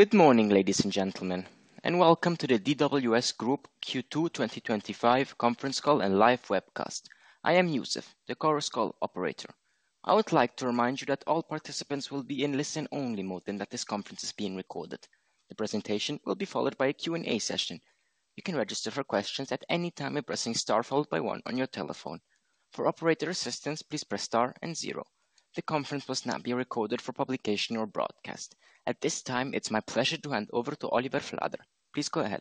Good morning, ladies and gentlemen, and welcome to the DWS Group Q2 2025 Conference Call and Live Webcast. I am Youssef, the call's call operator. I would like to remind you that all participants will be in listen-only mode and that this conference is being recorded. The presentation will be followed by a Q and A session. You can register for questions at any time by pressing star followed by one on your telephone. For operator assistance, please press star and zero. The conference will not be recorded for publication or broadcast. At this time, it's my pleasure to hand over to Oliver Flader. Please go ahead.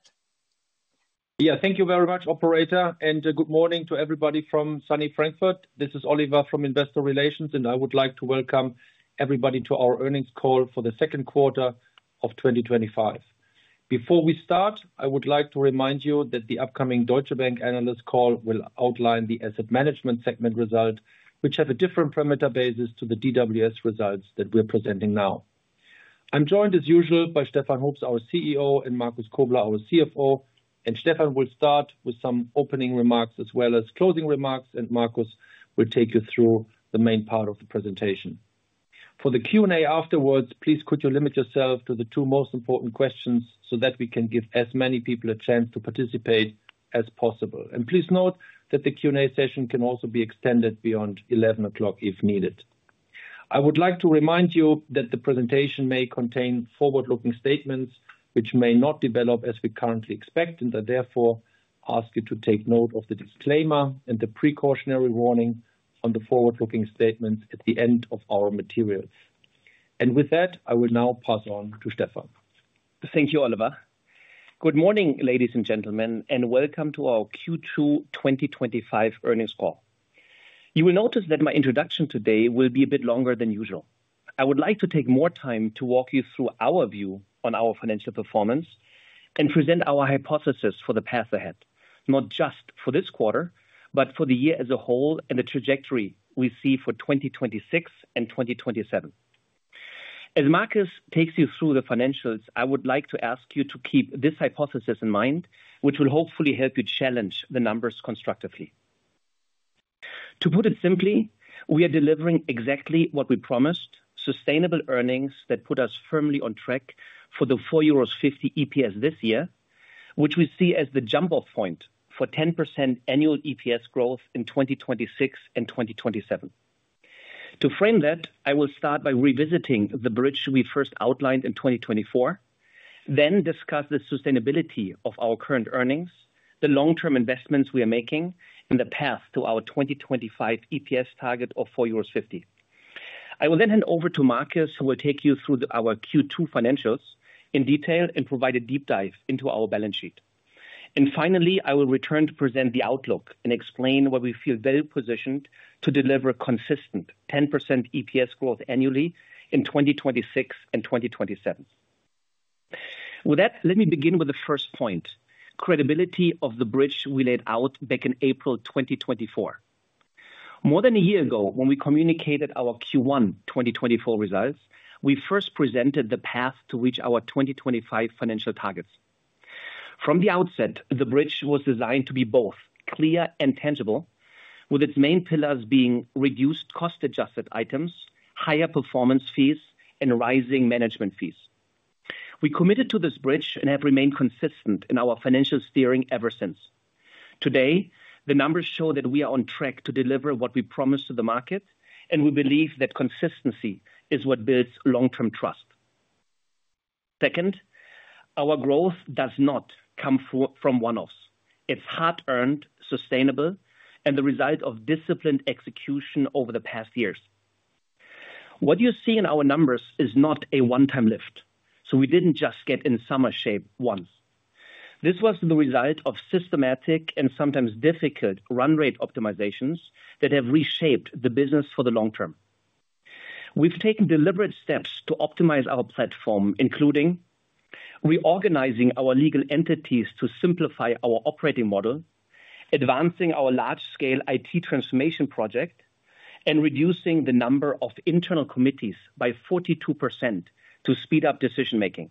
Yeah, thank you very much, operator, and good morning to everybody from Sunny Frankfurt. This is Oliver from Investor Relations, and I would like to welcome everybody to our earnings call for the second quarter of 2025. Before we start, I would like to remind you that the upcoming Deutsche Bank analyst call will outline the asset management segment results, which have a different perimeter basis to the DWS results that we're presenting now. I'm joined, as usual, by Stefan Hoops, our CEO, and Markus Kobler, our CFO. Stefan will start with some opening remarks as well as closing remarks, and Markus will take you through the main part of the presentation. For the Q and A afterwards, please could you limit yourself to the two most important questions so that we can give as many people a chance to participate as possible. Please note that the Q and A session can also be extended beyond 11:00 A.M if needed. I would like to remind you that the presentation may contain forward-looking statements which may not develop as we currently expect, and I therefore ask you to take note of the disclaimer and the precautionary warning on the forward-looking statements at the end of our materials. With that, I will now pass on to Stefan. Thank you, Oliver. Good morning, ladies and gentlemen, and welcome to our Q2 2025 earnings call. You will notice that my introduction today will be a bit longer than usual. I would like to take more time to walk you through our view on our financial performance and present our hypothesis for the path ahead, not just for this quarter, but for the year as a whole and the trajectory we see for 2026 and 2027. As Markus takes you through the financials, I would like to ask you to keep this hypothesis in mind, which will hopefully help you challenge the numbers constructively. To put it simply, we are delivering exactly what we promised, sustainable earnings that put us firmly on track for the 4.50 euros EPS this year, which we see as the jump-off point for 10% annual EPS growth in 2026 and 2027. To frame that, I will start by revisiting the bridge we first outlined in 2024. Then discuss the sustainability of our current earnings, the long-term investments we are making, and the path to our 2025 EPS target of 4.50 euros. I will then hand over to Markus, who will take you through our Q2 financials in detail and provide a deep dive into our balance sheet. Finally, I will return to present the outlook and explain why we feel well-positioned to deliver consistent 10% EPS growth annually in 2026 and 2027. With that, let me begin with the first point, credibility of the bridge we laid out back in April 2024. More than a year ago, when we communicated our Q1 2024 results, we first presented the path to reach our 2025 financial targets. From the outset, the bridge was designed to be both clear and tangible, with its main pillars being reduced cost-adjusted items, higher performance fees, and rising management fees. We committed to this bridge and have remained consistent in our financial steering ever since. Today, the numbers show that we are on track to deliver what we promised to the market, and we believe that consistency is what builds long-term trust. Second, our growth does not come from one-offs. It's hard-earned, sustainable, and the result of disciplined execution over the past years. What you see in our numbers is not a one-time lift, so we did not just get in summer shape once. This was the result of systematic and sometimes difficult run-rate optimizations that have reshaped the business for the long term. We have taken deliberate steps to optimize our platform, including reorganizing our legal entities to simplify our operating model, advancing our large-scale IT transformation project, and reducing the number of internal committees by 42% to speed up decision-making.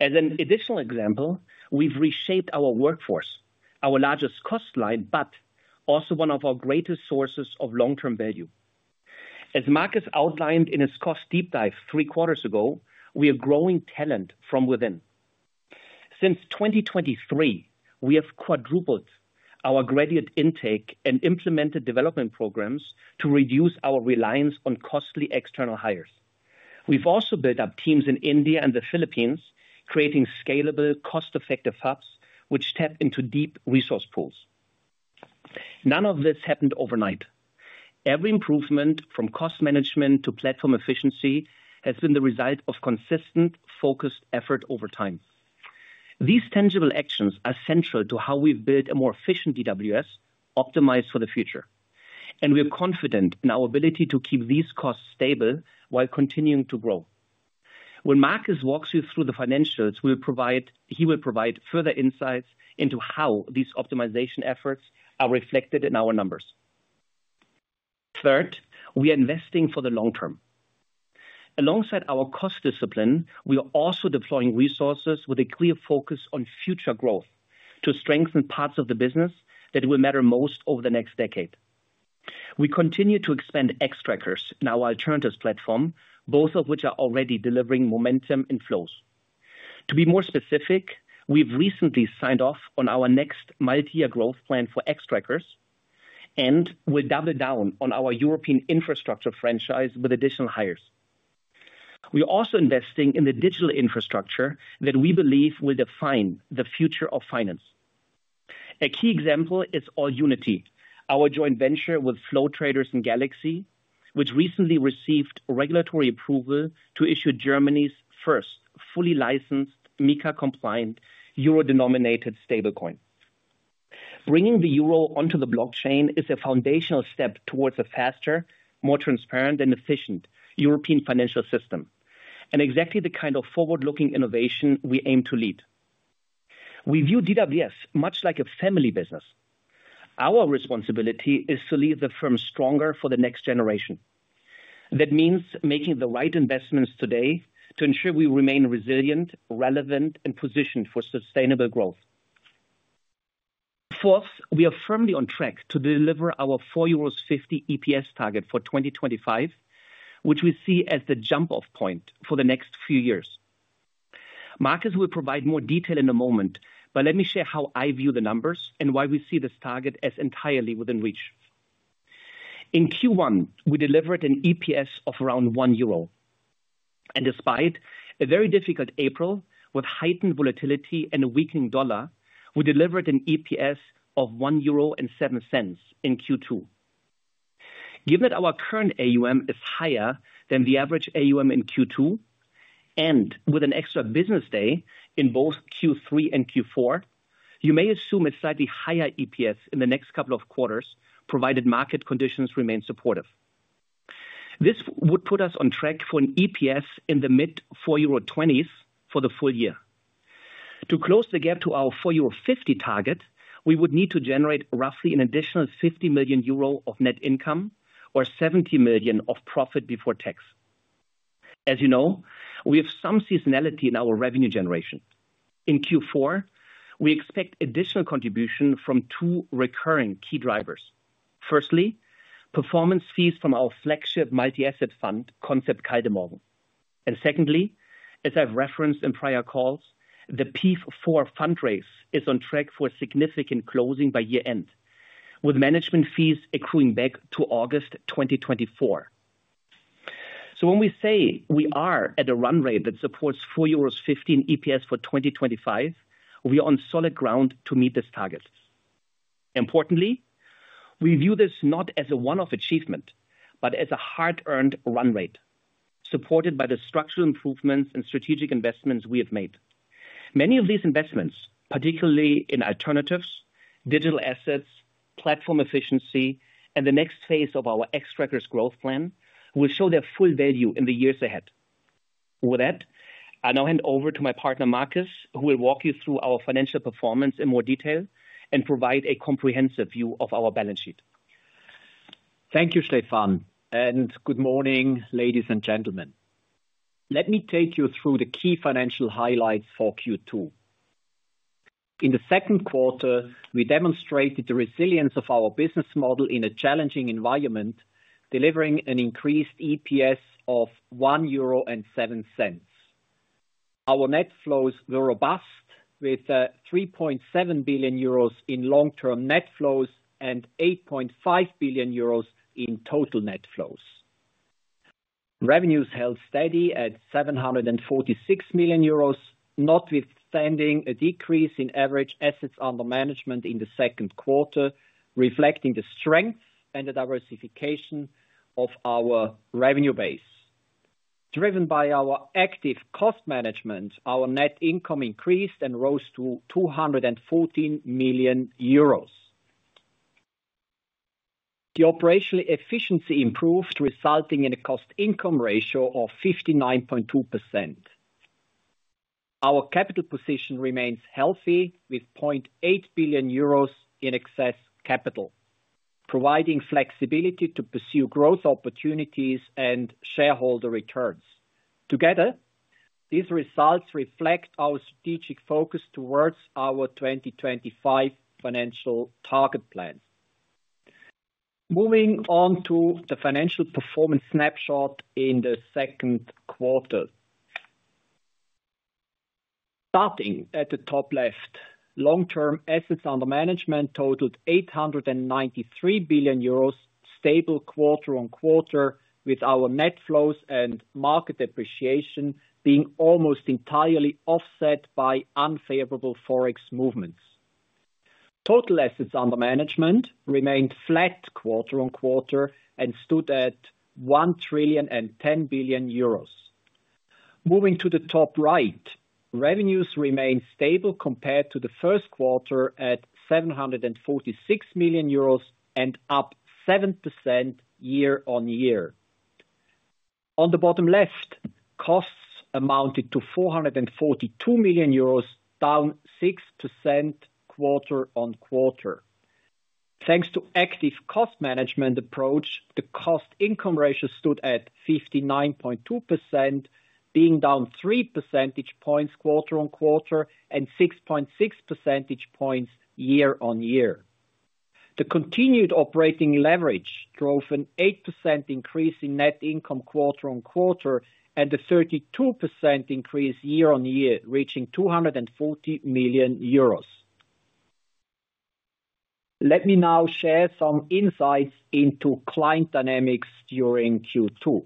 As an additional example, we have reshaped our workforce, our largest cost line, but also one of our greatest sources of long-term value. As Markus outlined in his cost deep dive three quarters ago, we are growing talent from within. Since 2023, we have quadrupled our graduate intake and implemented development programs to reduce our reliance on costly external hires. We've also built up teams in India and the Philippines, creating scalable, cost-effective hubs which tap into deep resource pools. None of this happened overnight. Every improvement, from cost management to platform efficiency, has been the result of consistent, focused effort over time. These tangible actions are central to how we've built a more efficient DWS optimized for the future, and we are confident in our ability to keep these costs stable while continuing to grow. When Markus walks you through the financials, he will provide further insights into how these optimization efforts are reflected in our numbers. Third, we are investing for the long term. Alongside our cost discipline, we are also deploying resources with a clear focus on future growth to strengthen parts of the business that will matter most over the next decade. We continue to expand Xtrackers in our alternatives platform, both of which are already delivering momentum and flows. To be more specific, we've recently signed off on our next multi-year growth plan for Xtrackers and will double down on our European infrastructure franchise with additional hires. We are also investing in the digital infrastructure that we believe will define the future of finance. A key example is AllUnity, our joint venture with Flow Traders and Galaxy, which recently received regulatory approval to issue Germany's first fully licensed, MiCA-compliant euro-denominated stablecoin. Bringing the euro onto the blockchain is a foundational step towards a faster, more transparent, and efficient European Financial System, and exactly the kind of forward-looking innovation we aim to lead. We view DWS much like a family business. Our responsibility is to lead the firm stronger for the next generation. That means making the right investments today to ensure we remain resilient, relevant, and positioned for sustainable growth. Fourth, we are firmly on track to deliver our 4.50 euros EPS target for 2025, which we see as the jump-off point for the next few years. Markus will provide more detail in a moment, but let me share how I view the numbers and why we see this target as entirely within reach. In Q1, we delivered an EPS of around 1 euro. And despite a very difficult April with heightened volatility and a weakening dollar, we delivered an EPS of 1.07 euro in Q2. Given that our current AUM is higher than the average AUM in Q2. And with an extra business day in both Q3 and Q4, you may assume a slightly higher EPS in the next couple of quarters, provided market conditions remain supportive. This would put us on track for an EPS in the mid-EUR 4.20s for the full year. To close the gap to our 4.50 euro target, we would need to generate roughly an additional 50 million euro of net income or 70 million of profit before tax. As you know, we have some seasonality in our revenue generation. In Q4, we expect additional contribution from two recurring key drivers. Firstly, performance fees from our flagship multi-asset fund, Concept Kaldemorgen. Secondly, as I have referenced in prior calls, the PEIF IV fundraise is on track for a significant closing by year-end, with management fees accruing back to August 2024. When we say we are at a run-rate that supports 4.50 euros in EPS for 2025, we are on solid ground to meet this target. Importantly, we view this not as a one-off achievement, but as a hard-earned run-rate supported by the structural improvements and strategic investments we have made. Many of these investments, particularly in alternatives, digital assets, platform efficiency, and the next phase of our Xtrackers growth plan, will show their full value in the years ahead. With that, I now hand over to my partner, Markus, who will walk you through our financial performance in more detail and provide a comprehensive view of our balance sheet. Thank you, Stefan, and good morning, ladies and gentlemen. Let me take you through the key financial highlights for Q2. In the second quarter, we demonstrated the resilience of our business model in a challenging environment, delivering an increased EPS of 1.07 euro. Our net flows were robust, with 3.7 billion euros in long-term net flows and 8.5 billion euros in total net flows. Revenues held steady at 746 million euros, notwithstanding a decrease in average assets under management in the second quarter, reflecting the strength and the diversification of our revenue base. Driven by our active cost management, our net income increased and rose to 214 million euros. The operational efficiency improved, resulting in a cost-income ratio of 59.2%. Our capital position remains healthy, with 0.8 billion euros in excess capital, providing flexibility to pursue growth opportunities and shareholder returns. Together, these results reflect our strategic focus towards our 2025 financial target plan. Moving on to the financial performance snapshot in the second quarter. Starting at the top left, long-term assets under management totaled 893 billion euros, stable quarter on quarter, with our net flows and market depreciation being almost entirely offset by unfavorable forex movements. Total assets under management remained flat quarter on quarter and stood at 1.10 trillion. Moving to the top right, revenues remained stable compared to the first quarter at 746 million euros and up 7% year-on-year. On the bottom left, costs amounted to 442 million euros, down 6% quarter on quarter. Thanks to an active cost management approach, the cost-income ratio stood at 59.2%, being down 3 percentage points quarter on quarter and 6.6 percentage points year-on-year. The continued operating leverage drove an 8% increase in net income quarter on quarter and a 32% increase year-on-year, reaching 240 million euros. Let me now share some insights into client dynamics during Q2.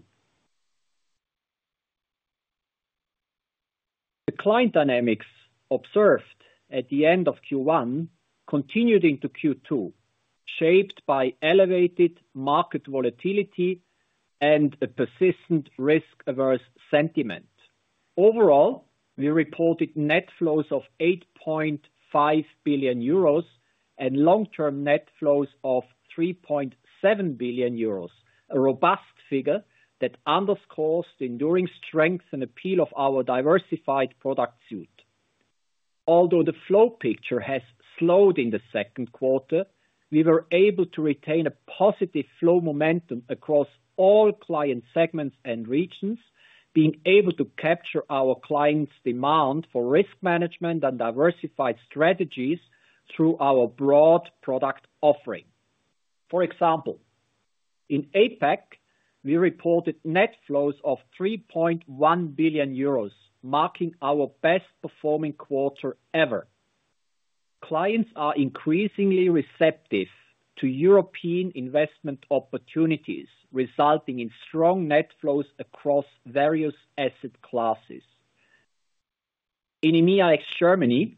The client dynamics observed at the end of Q1 continued into Q2, shaped by elevated market volatility and a persistent risk-averse sentiment. Overall, we reported net flows of 8.5 billion euros and long-term net flows of 3.7 billion euros, a robust figure that underscores the enduring strength and appeal of our diversified product suite. Although the flow picture has slowed in the second quarter, we were able to retain a positive flow momentum across all client segments and regions, being able to capture our clients' demand for risk management and diversified strategies through our broad product offering. For example, in APAC, we reported net flows of 3.1 billion euros, marking our best-performing quarter ever. Clients are increasingly receptive to European investment opportunities, resulting in strong net flows across various asset classes. In EMEA ex-Germany,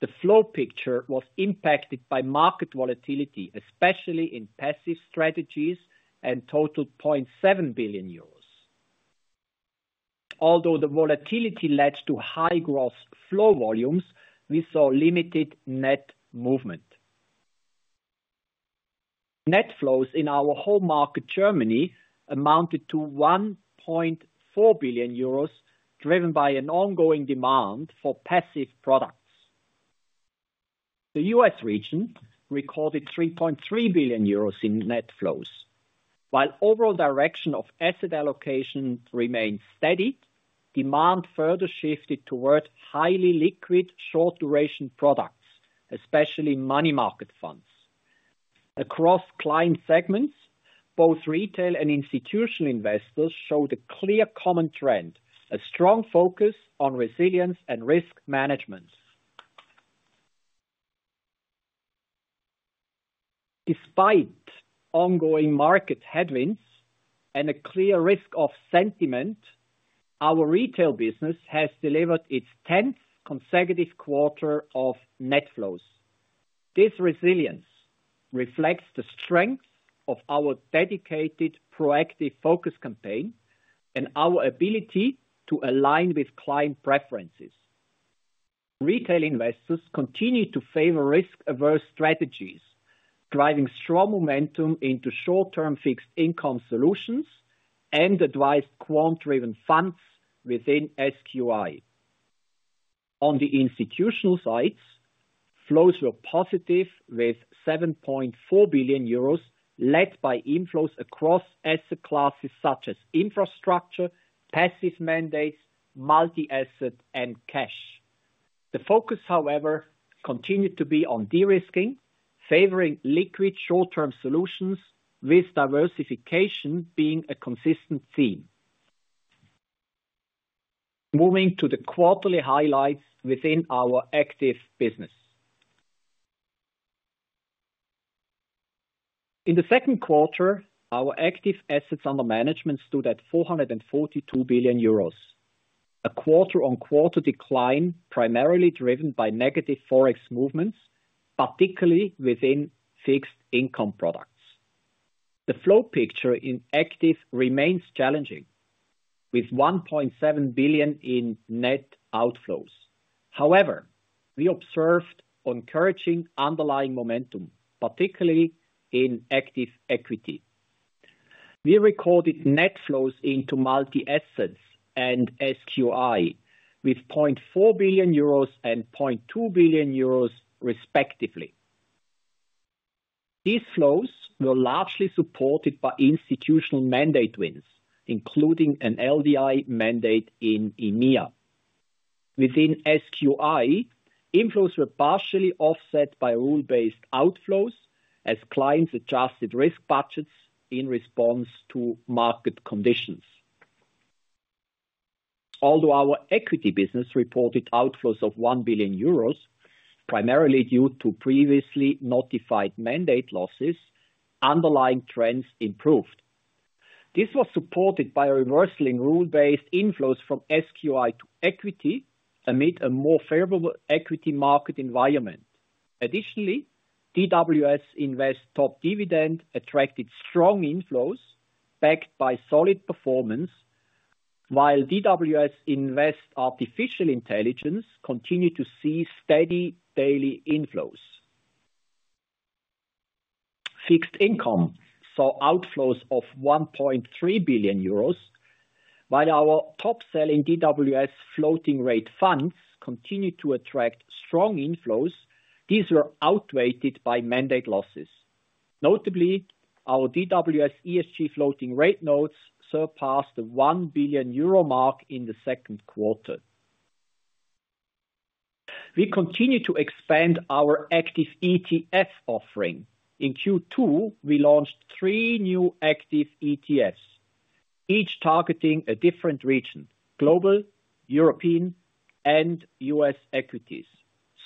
the flow picture was impacted by market volatility, especially in passive strategies, and totaled 0.7 billion euros. Although the volatility led to high gross flow volumes, we saw limited net movement. Net flows in our home market Germany, amounted to 1.4 billion euros, driven by an ongoing demand for passive products. The US region recorded 3.3 billion euros in net flows. While the overall direction of asset allocation remained steady, demand further shifted toward highly liquid, short-duration products, especially money market funds. Across client segments, both retail and institutional investors showed a clear common trend, a strong focus on resilience and risk management. Despite ongoing market headwinds and a clear risk-off sentiment, our retail business has delivered its 10th consecutive quarter of net flows. This resilience reflects the strength of our dedicated, proactive focus campaign and our ability to align with client preferences. Retail investors continue to favor risk-averse strategies, driving strong momentum into short-term fixed-income solutions and advised quant-driven funds within SQI. On the institutional side, flows were positive, with 7.4 billion euros led by inflows across asset classes such as infrastructure, passive mandates, multi-asset, and cash. The focus, however, continued to be on de-risking, favoring liquid short-term solutions, with diversification being a consistent theme. Moving to the quarterly highlights within our active business, in the second quarter, our active assets under management stood at 442 billion euros. A quarter-on-quarter decline, primarily driven by negative forex movements, particularly within fixed-income products. The flow picture in active remains challenging, with 1.7 billion in net outflows. However, we observed encouraging underlying momentum, particularly in active equity. We recorded net flows into multi-assets and SQI, with 0.4 billion euros and 0.2 billion euros, respectively. These flows were largely supported by institutional mandate wins, including an LDI mandate in EMEA. Within SQI, inflows were partially offset by rule-based outflows as clients adjusted risk budgets in response to market conditions. Although our equity business reported outflows of 1 billion euros, primarily due to previously notified mandate losses, underlying trends improved. This was supported by reversing rule-based inflows from SQI to equity amid a more favorable equity market environment. Additionally, DWS Invest Top Dividend attracted strong inflows backed by solid performance, while DWS Invest Artificial Intelligence continued to see steady daily inflows. Fixed income saw outflows of 1.3 billion euros, while our top-selling DWS floating-rate funds continued to attract strong inflows. These were outweighed by mandate losses. Notably, our DWS ESG Floating Rate Notes surpassed the 1 billion euro mark in the second quarter. We continue to expand our active ETF offering. In Q2, we launched three new active ETFs, each targeting a different region, global, European, and US equities.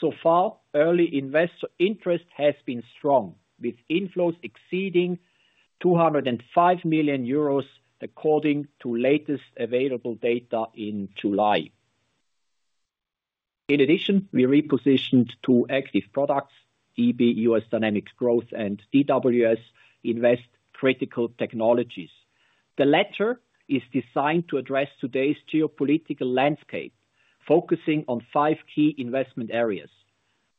So far, early investor interest has been strong, with inflows exceeding 205 million euros, according to latest available data in July. In addition, we repositioned two active products, DB US Dynamics Growth and DWS Invest Critical Technologies. The latter is designed to address today's geopolitical landscape, focusing on five key investment areas,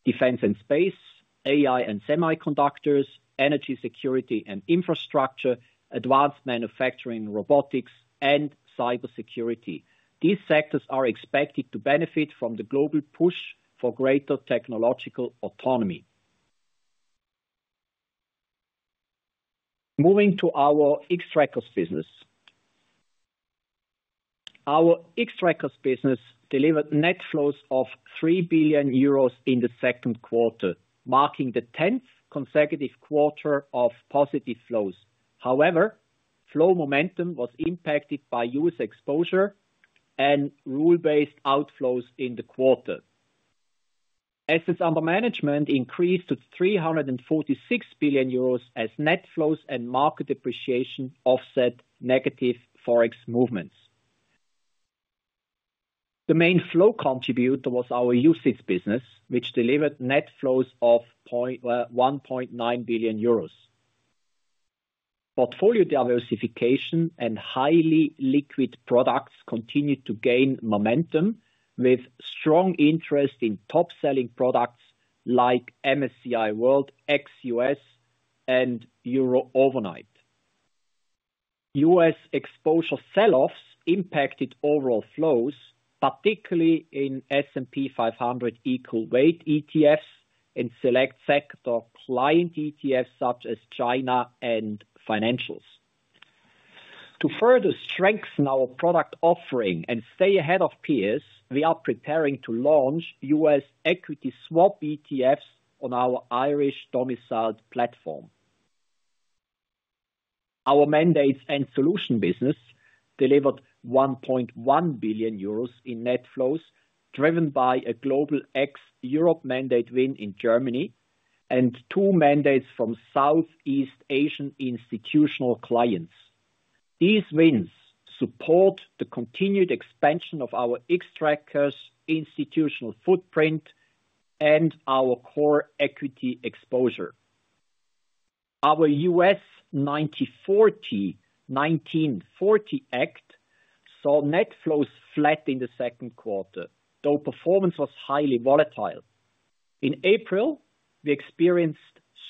defense and space, AI and semiconductors, energy security and infrastructure, advanced manufacturing, robotics, and cybersecurity. These sectors are expected to benefit from the global push for greater technological autonomy. Moving to our Xtrackers business. Our Xtrackers business delivered net flows of 3 billion euros in the second quarter, marking the 10th consecutive quarter of positive flows. However, flow momentum was impacted by US exposure and rule-based outflows in the quarter. Assets under management increased to 346 billion euros as net flows and market depreciation offset negative forex movements. The main flow contributor was our usage business, which delivered net flows of 1.9 billion euros. Portfolio diversification and highly liquid products continued to gain momentum, with strong interest in top-selling products like MSCI World, XUS, and Euro Overnight. US exposure sell-offs impacted overall flows, particularly in S&P 500 equal-weight ETFs and select sector client ETFs such as China and financials. To further strengthen our product offering and stay ahead of peers, we are preparing to launch US equity swap ETFs on our Irish-domiciled platform. Our mandates and solution business delivered 1.1 billion euros in net flows, driven by a global ex-Europe mandate win in Germany and two mandates from Southeast Asian institutional clients. These wins support the continued expansion of our Xtrackers institutional footprint and our core equity exposure. Our US 1940 Act saw net flows flat in the second quarter, though performance was highly volatile. In April, we experienced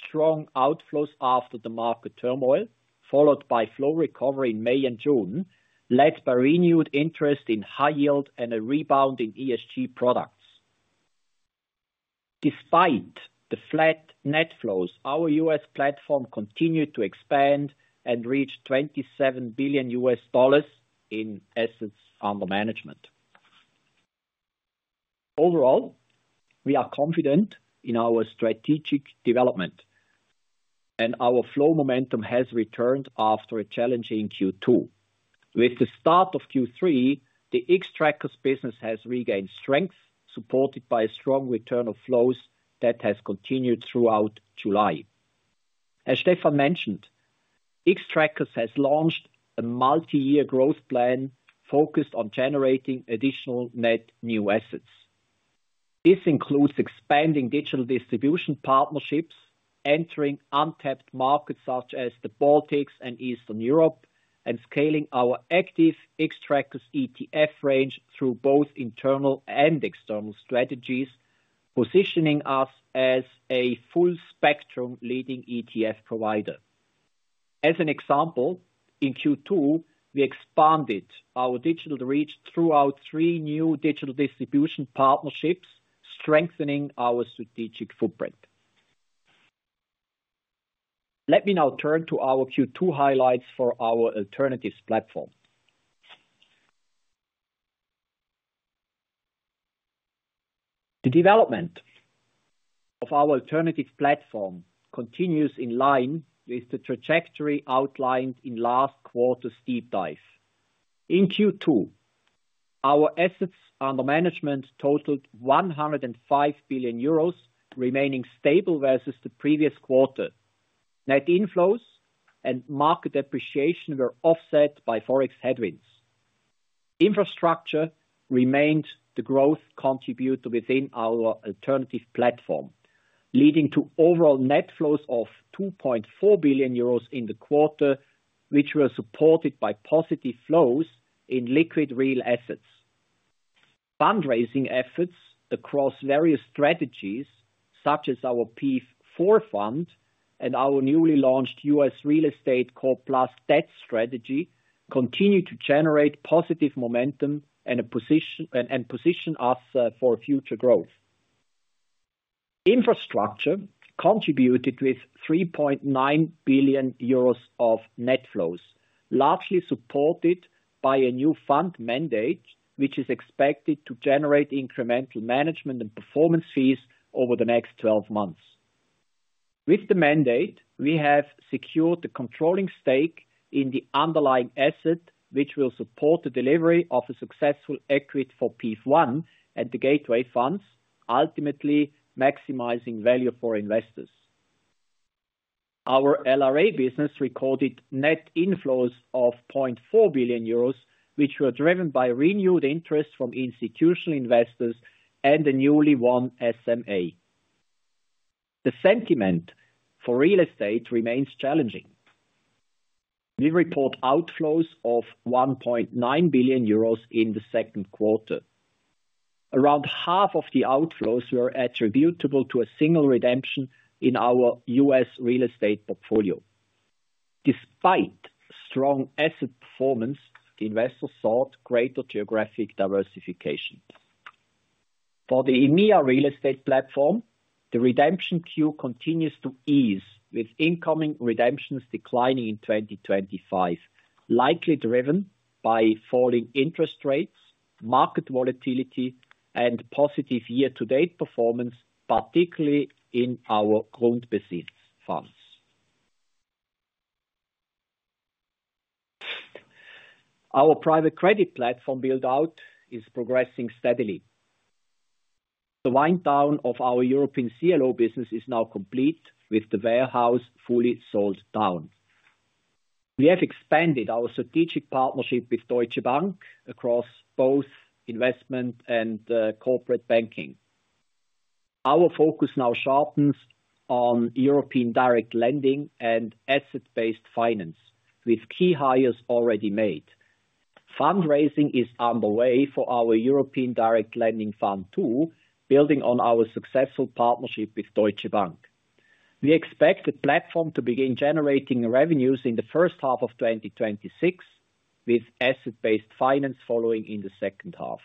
strong outflows after the market turmoil, followed by flow recovery in May and June, led by renewed interest in high-yield and a rebound in ESG products. Despite the flat net flows, our US platform continued to expand and reached $27 billion US dollars in assets under management. Overall, we are confident in our strategic development. Our flow momentum has returned after a challenging Q2. With the start of Q3, the Xtrackers business has regained strength, supported by a strong return of flows that has continued throughout July. As Stefan mentioned, Xtrackers has launched a multi-year growth plan focused on generating additional net new assets. This includes expanding digital distribution partnerships, entering untapped markets such as the Baltics and Eastern Europe, and scaling our active Xtrackers ETF range through both internal and external strategies, positioning us as a full-spectrum leading ETF provider. As an example, in Q2, we expanded our digital reach throughout three new digital distribution partnerships, strengthening our strategic footprint. Let me now turn to our Q2 highlights for our alternative platform. The development of our alternative platform continues in line with the trajectory outlined in last quarter's deep dive. In Q2, our assets under management totaled 105 billion euros, remaining stable versus the previous quarter. Net inflows and market depreciation were offset by forex headwinds. Infrastructure remained the growth contributor within our alternative platform, leading to overall net flows of 2.4 billion euros in the quarter, which were supported by positive flows in liquid real assets. Fundraising efforts across various strategies, such as our PEIF IV fund and our newly launched US real estate core plus debt strategy, continue to generate positive momentum and position us for future growth. Infrastructure contributed with 3.9 billion euros of net flows, largely supported by a new fund mandate, which is expected to generate incremental management and performance fees over the next 12 months. With the mandate, we have secured the controlling stake in the underlying asset, which will support the delivery of a successful equity for PEEF 1 and the gateway funds, ultimately maximizing value for investors. Our LRA business recorded net inflows of 0.4 billion euros, which were driven by renewed interest from institutional investors and a newly won SMA. The sentiment for real estate remains challenging. We report outflows of 1.9 billion euros in the second quarter. Around half of the outflows were attributable to a single redemption in our US real estate portfolio. Despite strong asset performance, investors sought greater geographic diversification. For the EMEA real estate platform, the redemption queue continues to ease, with incoming redemptions declining in 2025, likely driven by falling interest rates, market volatility, and positive year-to-date performance, particularly in our grundbesits funds. Our private credit platform build-out is progressing steadily. The wind-down of our European CLO business is now complete, with the warehouse fully sold down. We have expanded our strategic partnership with Deutsche Bank across both investment and corporate banking. Our focus now sharpens on European direct lending and asset-based finance, with key hires already made. Fundraising is underway for our European direct lending fund too, building on our successful partnership with Deutsche Bank. We expect the platform to begin generating revenues in the first half of 2026, with asset-based finance following in the second half.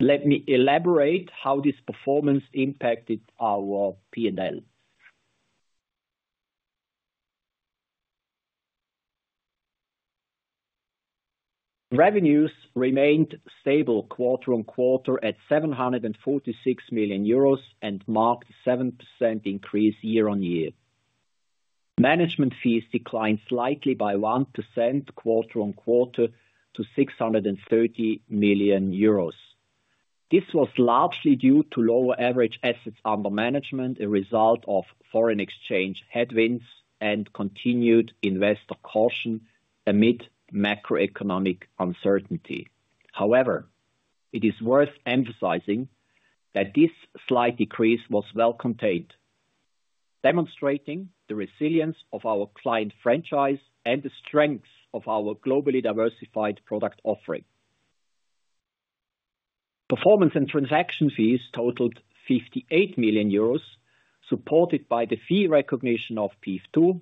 Let me elaborate how this performance impacted our P&L. Revenues remained stable quarter-on-quarter at 746 million euros and marked a 7% increase year-on-year. Management fees declined slightly by 1% quarter-on-quarter to 630 million euros. This was largely due to lower average assets under management, a result of foreign exchange headwinds, and continued investor caution amid macroeconomic uncertainty. However, it is worth emphasizing that this slight decrease was well-contained, demonstrating the resilience of our client franchise and the strengths of our globally diversified product offering. Performance and transaction fees totaled 58 million euros, supported by the fee recognition of PEEF 2,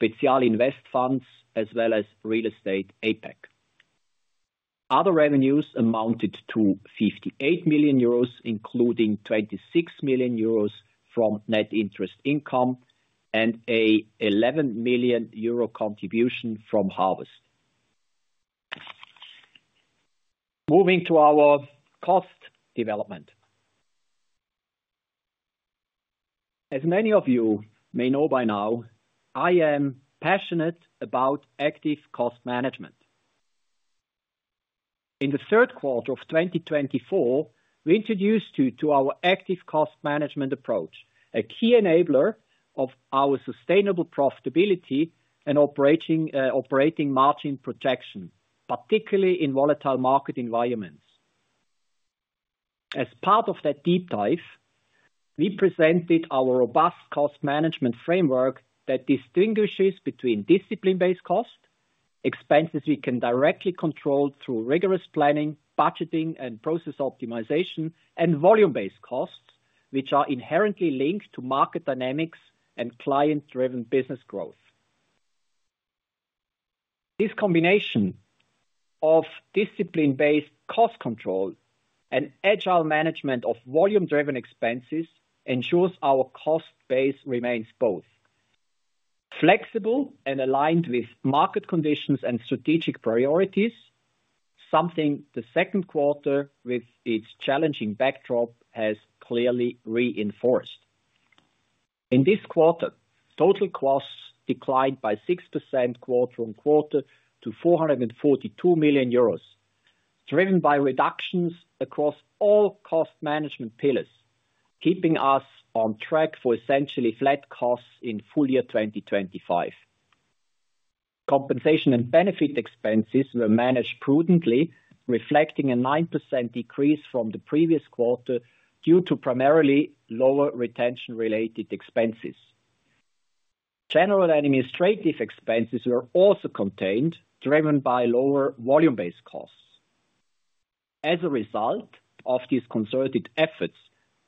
Spezial Invest Funds, as well as real estate APAC. Other revenues amounted to 58 million euros, including 26 million euros from net interest income and an 11 million euro contribution from Harvest. Moving to our cost development. As many of you may know by now, I am passionate about active cost management. In the third quarter of 2024, we introduced you to our active cost management approach, a key enabler of our sustainable profitability and operating margin protection, particularly in volatile market environments. As part of that deep dive, we presented our robust cost management framework that distinguishes between discipline-based costs, expenses we can directly control through rigorous planning, budgeting, and process optimization, and volume-based costs, which are inherently linked to market dynamics and client-driven business growth. This combination of discipline-based cost control and agile management of volume-driven expenses ensures our cost base remains both flexible and aligned with market conditions and strategic priorities, something the second quarter, with its challenging backdrop, has clearly reinforced. In this quarter, total costs declined by 6% quarter-on-quarter to 442 million euros, driven by reductions across all cost management pillars, keeping us on track for essentially flat costs in full year 2025. Compensation and benefit expenses were managed prudently, reflecting a 9% decrease from the previous quarter due to primarily lower retention-related expenses. General and administrative expenses were also contained, driven by lower volume-based costs. As a result of these concerted efforts,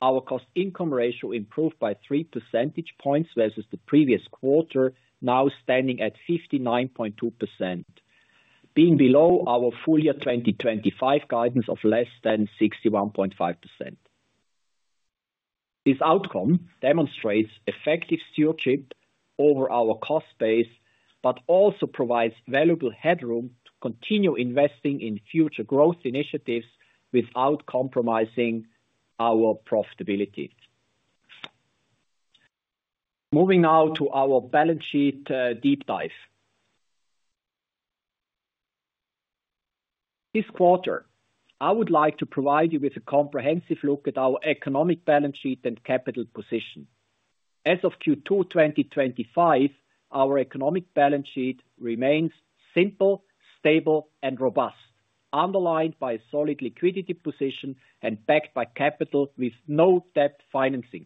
our cost-income ratio improved by 3 percentage points versus the previous quarter, now standing at 59.2%, being below our full year 2025 guidance of less than 61.5%. This outcome demonstrates effective stewardship over our cost base, but also provides valuable headroom to continue investing in future growth initiatives without compromising our profitability. Moving now to our balance sheet deep dive. This quarter, I would like to provide you with a comprehensive look at our economic balance sheet and capital position. As of Q2 2025, our economic balance sheet remains simple, stable, and robust, underlined by a solid liquidity position and backed by capital with no debt financing.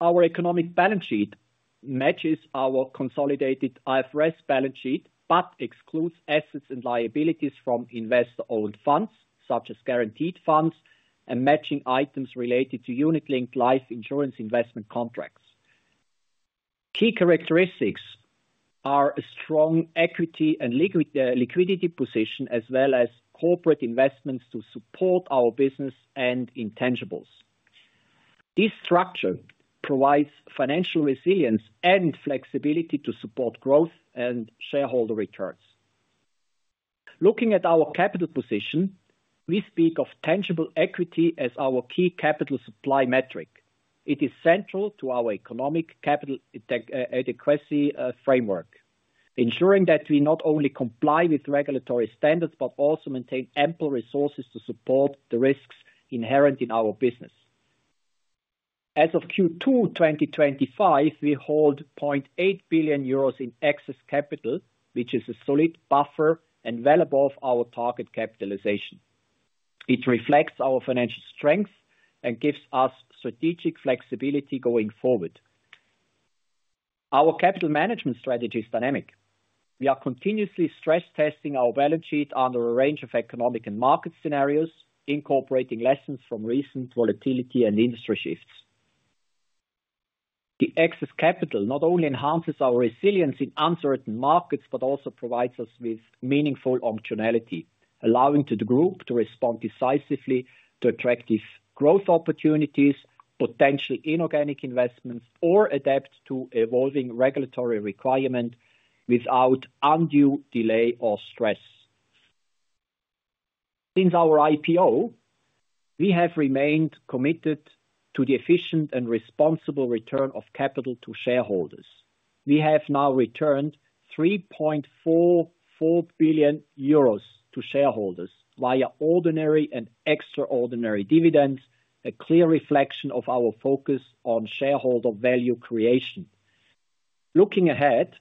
Our economic balance sheet matches our consolidated IFRS balance sheet, but excludes assets and liabilities from investor-owned funds, such as guaranteed funds and matching items related to unit-linked life insurance investment contracts. Key characteristics are a strong equity and liquidity position, as well as corporate investments to support our business and intangibles. This structure provides financial resilience and flexibility to support growth and shareholder returns. Looking at our capital position, we speak of tangible equity as our key capital supply metric. It is central to our economic capital adequacy framework, ensuring that we not only comply with regulatory standards but also maintain ample resources to support the risks inherent in our business. As of Q2 2025, we hold 0.8 billion euros in excess capital, which is a solid buffer and valuable of our target capitalization. It reflects our financial strength and gives us strategic flexibility going forward. Our capital management strategy is dynamic. We are continuously stress-testing our balance sheet under a range of economic and market scenarios, incorporating lessons from recent volatility and industry shifts. The excess capital not only enhances our resilience in uncertain markets but also provides us with meaningful optionality, allowing the group to respond decisively to attractive growth opportunities, potential inorganic investments, or adapt to evolving regulatory requirements without undue delay or stress. Since our IPO, we have remained committed to the efficient and responsible return of capital to shareholders. We have now returned 3.44 billion euros to shareholders via ordinary and extraordinary dividends, a clear reflection of our focus on shareholder value creation. Looking ahead,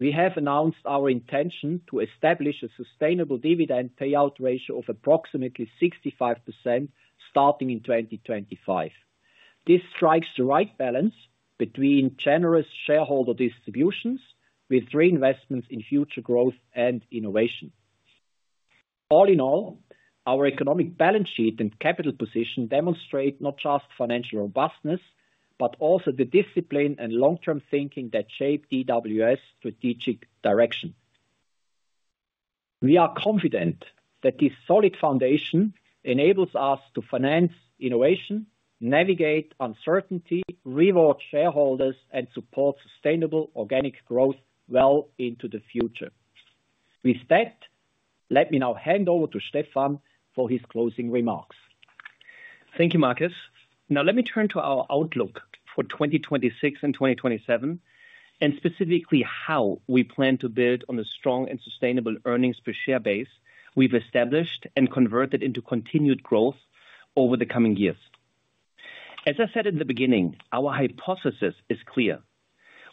we have announced our intention to establish a sustainable dividend payout ratio of approximately 65% starting in 2025. This strikes the right balance between generous shareholder distributions with reinvestments in future growth and innovation. All in all, our economic balance sheet and capital position demonstrate not just financial robustness, but also the discipline and long-term thinking that shape DWS' strategic direction. We are confident that this solid foundation enables us to finance innovation, navigate uncertainty, reward shareholders, and support sustainable organic growth well into the future. With that, let me now hand over to Stefan for his closing remarks. Thank you, Markus. Now, let me turn to our outlook for 2026 and 2027, and specifically how we plan to build on the strong and sustainable earnings per share base we've established and converted into continued growth over the coming years. As I said in the beginning, our hypothesis is clear.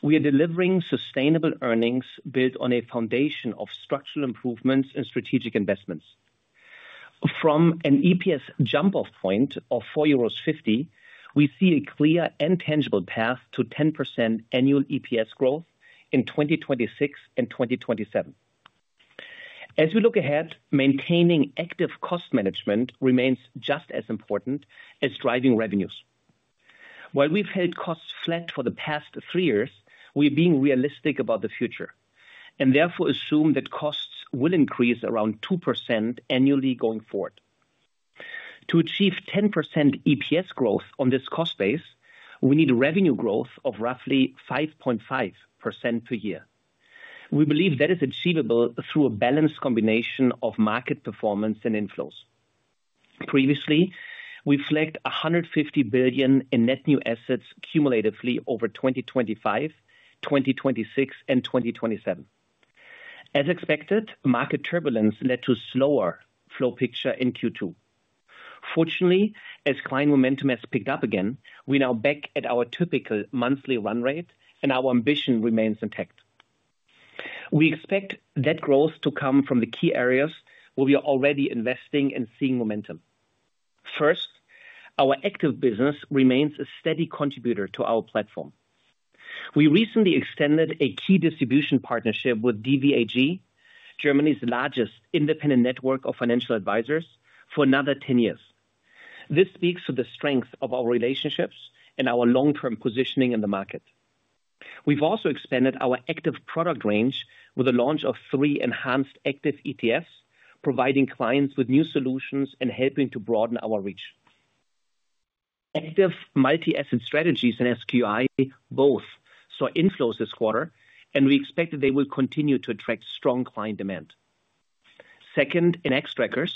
We are delivering sustainable earnings built on a foundation of structural improvements and strategic investments. From an EPS jump-off point of 4.50 euros, we see a clear and tangible path to 10% annual EPS growth in 2026 and 2027. As we look ahead, maintaining active cost management remains just as important as driving revenues. While we've held costs flat for the past three years, we are being realistic about the future and therefore assume that costs will increase around 2% annually going forward. To achieve 10% EPS growth on this cost base, we need revenue growth of roughly 5.5% per year. We believe that is achievable through a balanced combination of market performance and inflows. Previously, we flagged 150 billion in net new assets cumulatively over 2025, 2026, and 2027. As expected, market turbulence led to a slower flow picture in Q2. Fortunately, as client momentum has picked up again, we are now back at our typical monthly run rate, and our ambition remains intact. We expect that growth to come from the key areas where we are already investing and seeing momentum. First, our active business remains a steady contributor to our platform. We recently extended a key distribution partnership with DVAG, Germany's largest independent network of financial advisors, for another 10 years. This speaks to the strength of our relationships and our long-term positioning in the market. We've also expanded our active product range with the launch of three enhanced active ETFs, providing clients with new solutions and helping to broaden our reach. Active multi-asset strategies and SQI both saw inflows this quarter, and we expect that they will continue to attract strong client demand. Second, in Xtrackers,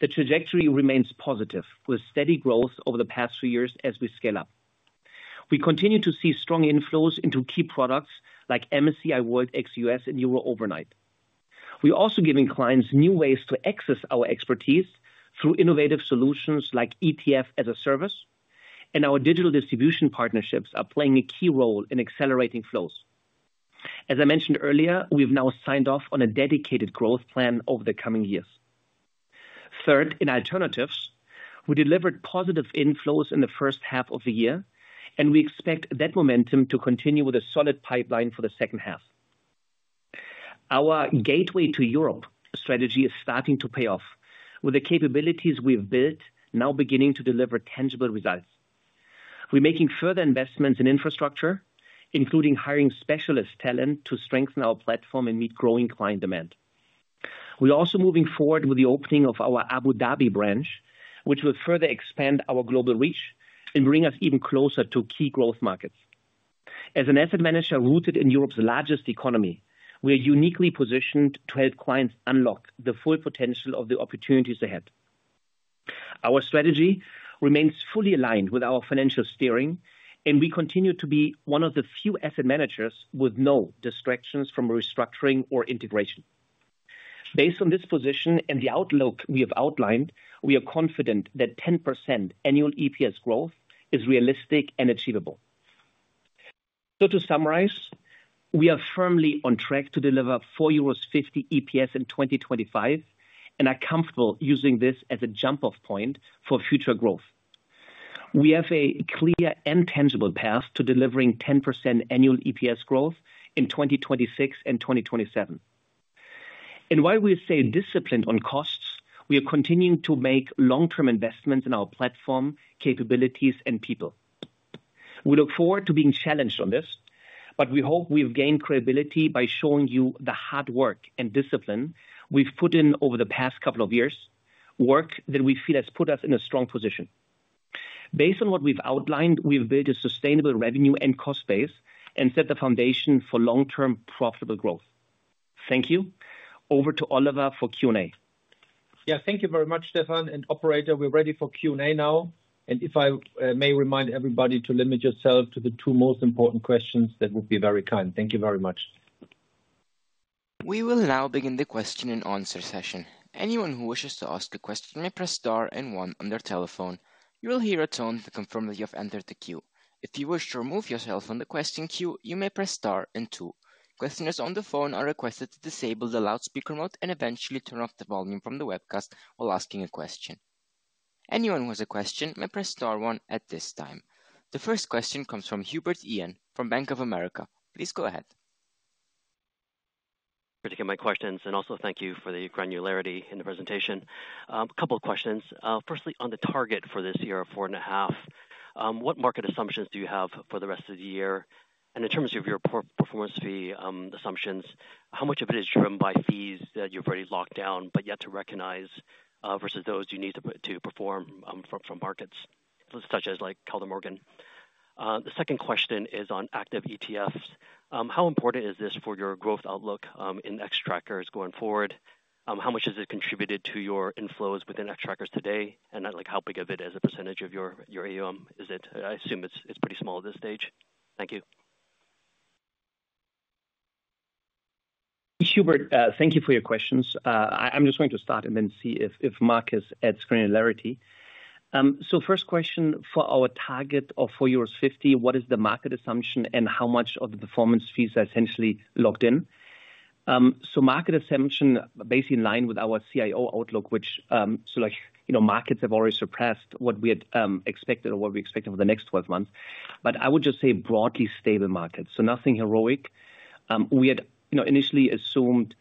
the trajectory remains positive, with steady growth over the past few years as we scale up. We continue to see strong inflows into key products like MSCI World ex USA and Euro Overnight. We're also giving clients new ways to access our expertise through innovative solutions like ETF as a service, and our digital distribution partnerships are playing a key role in accelerating flows. As I mentioned earlier, we've now signed off on a dedicated growth plan over the coming years. Third, in alternatives, we delivered positive inflows in the first half of the year, and we expect that momentum to continue with a solid pipeline for the second half. Our Gateway to Europe strategy is starting to pay off, with the capabilities we've built now beginning to deliver tangible results. We're making further investments in infrastructure, including hiring specialist talent to strengthen our platform and meet growing client demand. We're also moving forward with the opening of our Abu Dhabi branch, which will further expand our global reach and bring us even closer to key growth markets. As an asset manager rooted in Europe's largest economy, we are uniquely positioned to help clients unlock the full potential of the opportunities ahead. Our strategy remains fully aligned with our financial steering, and we continue to be one of the few asset managers with no distractions from restructuring or integration. Based on this position and the outlook we have outlined, we are confident that 10% annual EPS growth is realistic and achievable. To summarize, we are firmly on track to deliver 4.50 euros EPS in 2025 and are comfortable using this as a jump-off point for future growth. We have a clear and tangible path to delivering 10% annual EPS growth in 2026 and 2027. While we stay disciplined on costs, we are continuing to make long-term investments in our platform, capabilities, and people. We look forward to being challenged on this, but we hope we've gained credibility by showing you the hard work and discipline we've put in over the past couple of years, work that we feel has put us in a strong position. Based on what we've outlined, we've built a sustainable revenue and cost base and set the foundation for long-term profitable growth. Thank you. Over to Oliver for Q&A. Yeah, thank you very much, Stefan, and operator we're ready for Q&A now. If I may remind everybody to limit yourself to the two most important questions, that would be very kind. Thank you very much. We will now begin the question and answer session. Anyone who wishes to ask a question may press star and one on their telephone. You will hear a tone to confirm that you have entered the queue. If you wish to remove yourself from the question queue, you may press star and two. Questioners on the phone are requested to disable the loudspeaker mode and eventually turn off the volume from the webcast while asking a question. Anyone who has a question may press star one at this time. The first question comes from Hubert Ian from Bank of America. Please go ahead. To get my questions and also thank you for the granularity in the presentation. A couple of questions. Firstly, on the target for this year, four and a half, what market assumptions do you have for the rest of the year? And in terms of your performance fee assumptions, how much of it is driven by fees that you've already locked down but yet to recognize versus those you need to perform from markets such as like Kaldemorgen? The second question is on active ETFs. How important is this for your growth outlook in Xtrackers going forward? How much has it contributed to your inflows within Xtrackers today? And like how big of it is a percentage of your AUM? I assume it's pretty small at this stage. Thank you. Hubert, thank you for your questions. I'm just going to start and then see if Markus adds granularity. So, first question for our target of 4.50 euros, what is the market assumption and how much of the performance fees are essentially locked in? So, market assumption basically in line with our CIO outlook, which. Markets have already surpassed what we had expected or what we expected for the next 12 months. I would just say broadly stable markets, so nothing heroic. We had initially assumed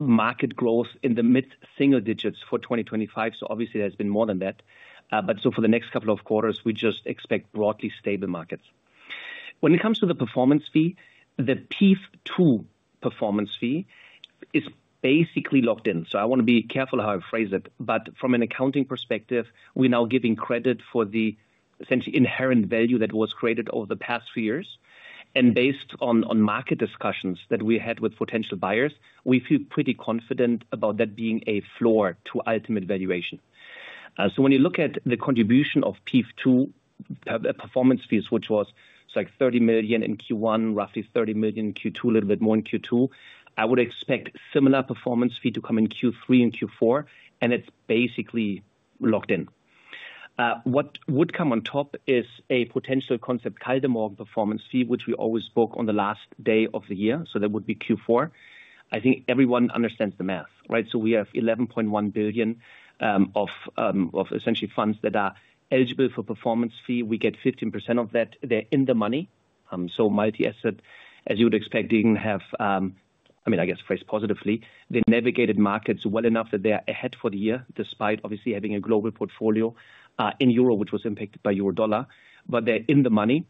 market growth in the mid-single digits for 2025. Obviously, there has been more than that. For the next couple of quarters, we just expect broadly stable markets. When it comes to the performance fee, the PEEF 2 performance fee is basically locked in. I want to be careful how I phrase it. From an accounting perspective, we're now giving credit for the essentially inherent value that was created over the past few years. Based on market discussions that we had with potential buyers, we feel pretty confident about that being a floor to ultimate valuation. When you look at the contribution of PEEF 2. Performance fees, which was like 30 million in Q1, roughly 30 million in Q2, a little bit more in Q2, I would expect a similar performance fee to come in Q3 and Q4, and it's basically locked in. What would come on top is a potential Concept Kaldemorgen performance fee, which we always book on the last day of the year. That would be Q4. I think everyone understands the math, right? We have 11.1 billion of essentially funds that are eligible for performance fee. We get 15% of that. They're in the money. Multi-asset, as you would expect, didn't have, I mean, I guess phrased positively, they navigated markets well enough that they are ahead for the year despite obviously having a global portfolio in EURO, which was impacted by Euro dollar. They're in the money.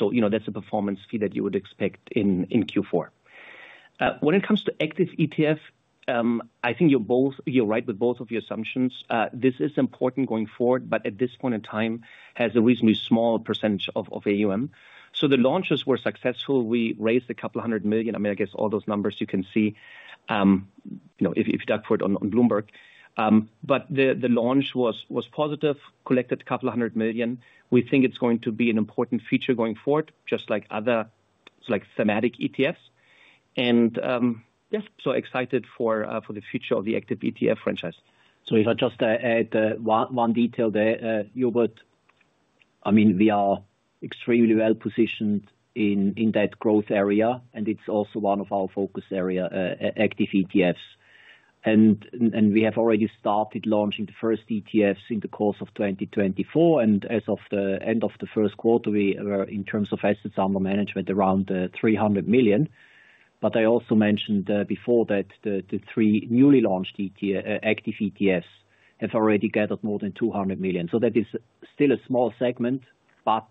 You know, that's a performance fee that you would expect in Q4. When it comes to active ETF, I think you're right with both of your assumptions. This is important going forward, but at this point in time, has a reasonably small percentage of AUM. The launches were successful. We raised a couple of hundred million. I mean, I guess all those numbers you can see if you dug for it on Bloomberg. The launch was positive, collected a couple of hundred million. We think it's going to be an important feature going forward, just like other thematic ETFs. Yeah, excited for the future of the active ETF franchise. If I just add one detail there, Hubert. I mean, we are extremely well positioned in that growth area, and it's also one of our focus areas, active ETFs. We have already started launching the first ETFs in the course of 2024. As of the end of the first quarter, we were, in terms of assets under management, around 300 million. I also mentioned before that the three newly launched active ETFs have already gathered more than 200 million. That is still a small segment, but